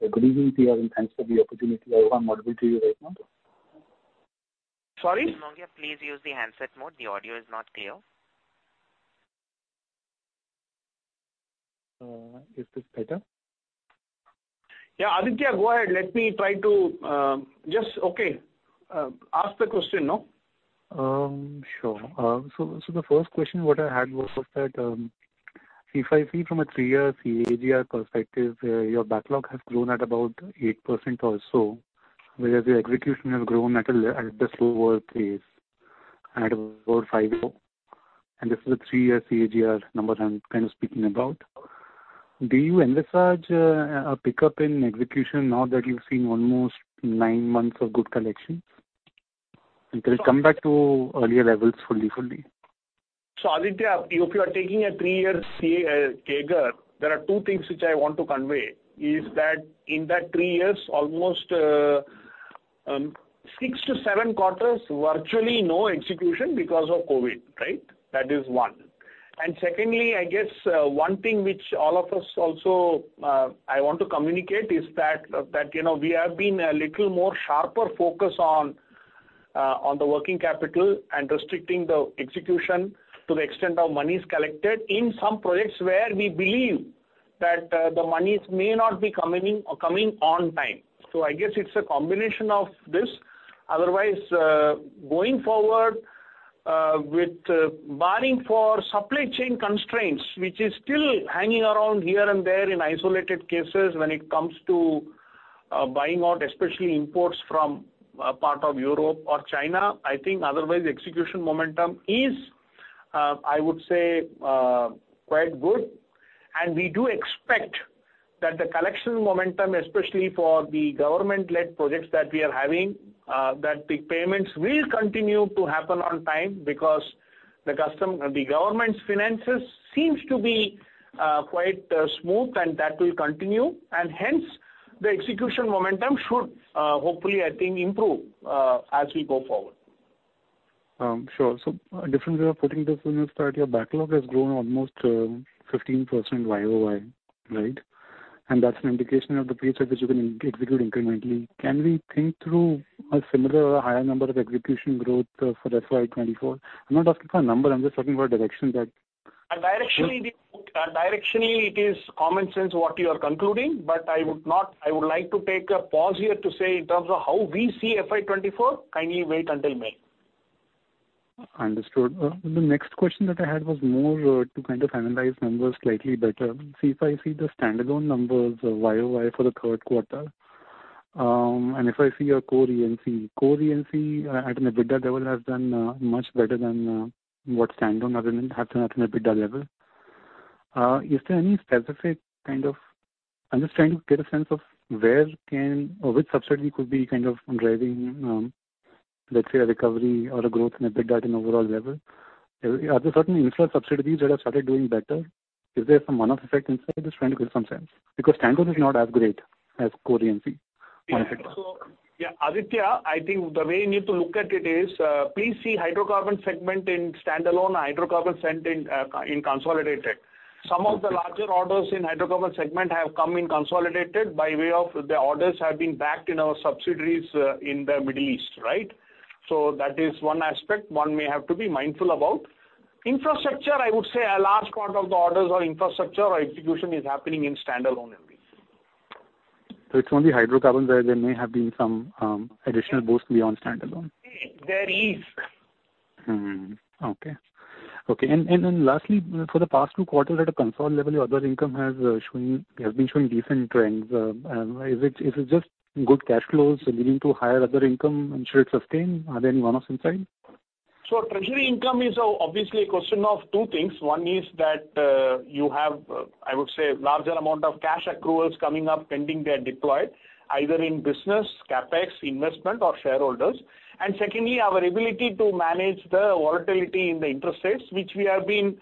Speaker 12: Good evening to you. Thanks for the opportunity. I hope I'm audible to you right now.
Speaker 2: Sorry? Mr. Mongia, please use the handset mode. The audio is not clear.
Speaker 12: Is this better?
Speaker 2: Yeah, Aditya, go ahead. Let me try to. Okay, ask the question now.
Speaker 12: Sure. So, the first question what I had was that, if I see from a three-year CAGR perspective, your backlog has grown at about 8% or so, whereas your execution has grown at a slower pace, at about 5%. This is a three-year CAGR number that I'm kind of speaking about. Do you envisage a pickup in execution now that you've seen almost nine months of good collection? Can it come back to earlier levels fully?
Speaker 2: Aditya, if you are taking a three-year CAGR, there are two things which I want to convey, is that in that three years almost six to seven quarters virtually no execution because of COVID, right? That is one. Secondly, I guess, one thing which all of us also, I want to communicate is that, you know, we have been a little more sharper focus on the working capital and restricting the execution to the extent our money is collected in some projects where we believe that the monies may not be coming in or coming on time. I guess it's a combination of this. Otherwise, going forward, with, barring for supply chain constraints, which is still hanging around here and there in isolated cases when it comes to buying out, especially imports from part of Europe or China, I think otherwise execution momentum is, I would say, quite good. We do expect that the collection momentum, especially for the government-led projects that we are having, that the payments will continue to happen on time because the government's finances seems to be quite smooth and that will continue. Hence, the execution momentum should, hopefully, I think, improve, as we go forward.
Speaker 12: A different way of putting this when you start your backlog has grown almost 15% YoY, right? That's an indication of the pace at which you can execute incrementally. Can we think through a similar or a higher number of execution growth for FY 2024? I'm not asking for a number. I'm just talking about direction that-
Speaker 2: Directionally, it is common sense what you are concluding, but I would like to take a pause here to say in terms of how we see FY 2024, kindly wait until May.
Speaker 12: Understood. The next question that I had was more to kind of analyze numbers slightly better. If I see the standalone numbers YoY for the third quarter, and if I see your core E&C. Core E&C at an EBITDA level has done much better than what standalone other than happen at an EBITDA level. Is there any specific kind of... I'm just trying to get a sense of where can or which subsidy could be kind of driving a recovery or a growth in EBITDA in overall level? Are there certain infrastructure subsidiaries that have started doing better? Is there some one-off effect inside this trend with some sense? Standalone is not as great as core E&C one effect.
Speaker 2: Yeah, Aditya, I think the way you need to look at it is, please see hydrocarbon segment in standalone hydrocarbon segment in consolidated. Some of the larger orders in hydrocarbon segment have come in consolidated by way of the orders have been backed in our subsidiaries in the Middle East, right? That is one aspect one may have to be mindful about. Infrastructure, I would say a large part of the orders or infrastructure or execution is happening in standalone entities.
Speaker 12: It's only hydrocarbons where there may have been some additional boost beyond standalone.
Speaker 2: There is.
Speaker 12: Okay. Then lastly, for the past Q2 at a console level, your other income has been showing decent trends. Is it just good cash flows leading to higher other income and should it sustain? Are there any one-offs inside?
Speaker 2: Treasury income is obviously a question of two things. One is that you have, I would say, larger amount of cash accruals coming up pending they are deployed, either in business, CapEx, investment or shareholders. Secondly, our ability to manage the volatility in the interest rates, which we have been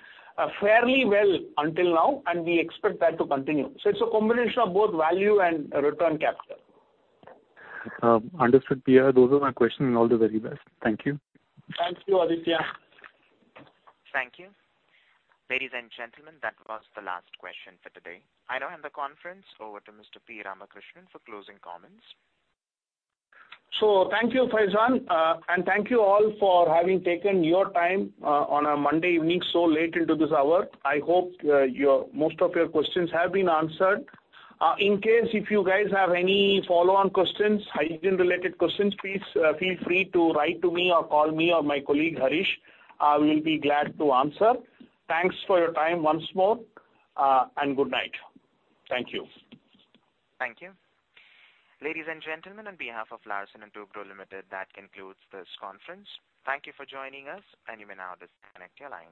Speaker 2: fairly well until now, and we expect that to continue. It's a combination of both value and return capture.
Speaker 12: understood, P.R. Those were my questions and all the very best. Thank you.
Speaker 2: Thank you, Aditya.
Speaker 1: Thank you. Ladies and gentlemen, that was the last question for today. I now hand the conference over to Mr. P. Ramakrishnan for closing comments.
Speaker 2: Thank you, Faizan, and thank you all for having taken your time on a Monday evening so late into this hour. I hope most of your questions have been answered. In case if you guys have any follow-on questions, hygiene-related questions, please feel free to write to me or call me or my colleague, Harish. We'll be glad to answer. Thanks for your time once more, and good night. Thank you.
Speaker 1: Thank you. Ladies and gentlemen, on behalf of Larsen & Toubro Limited, that concludes this conference. Thank you for joining us. You may now disconnect your lines.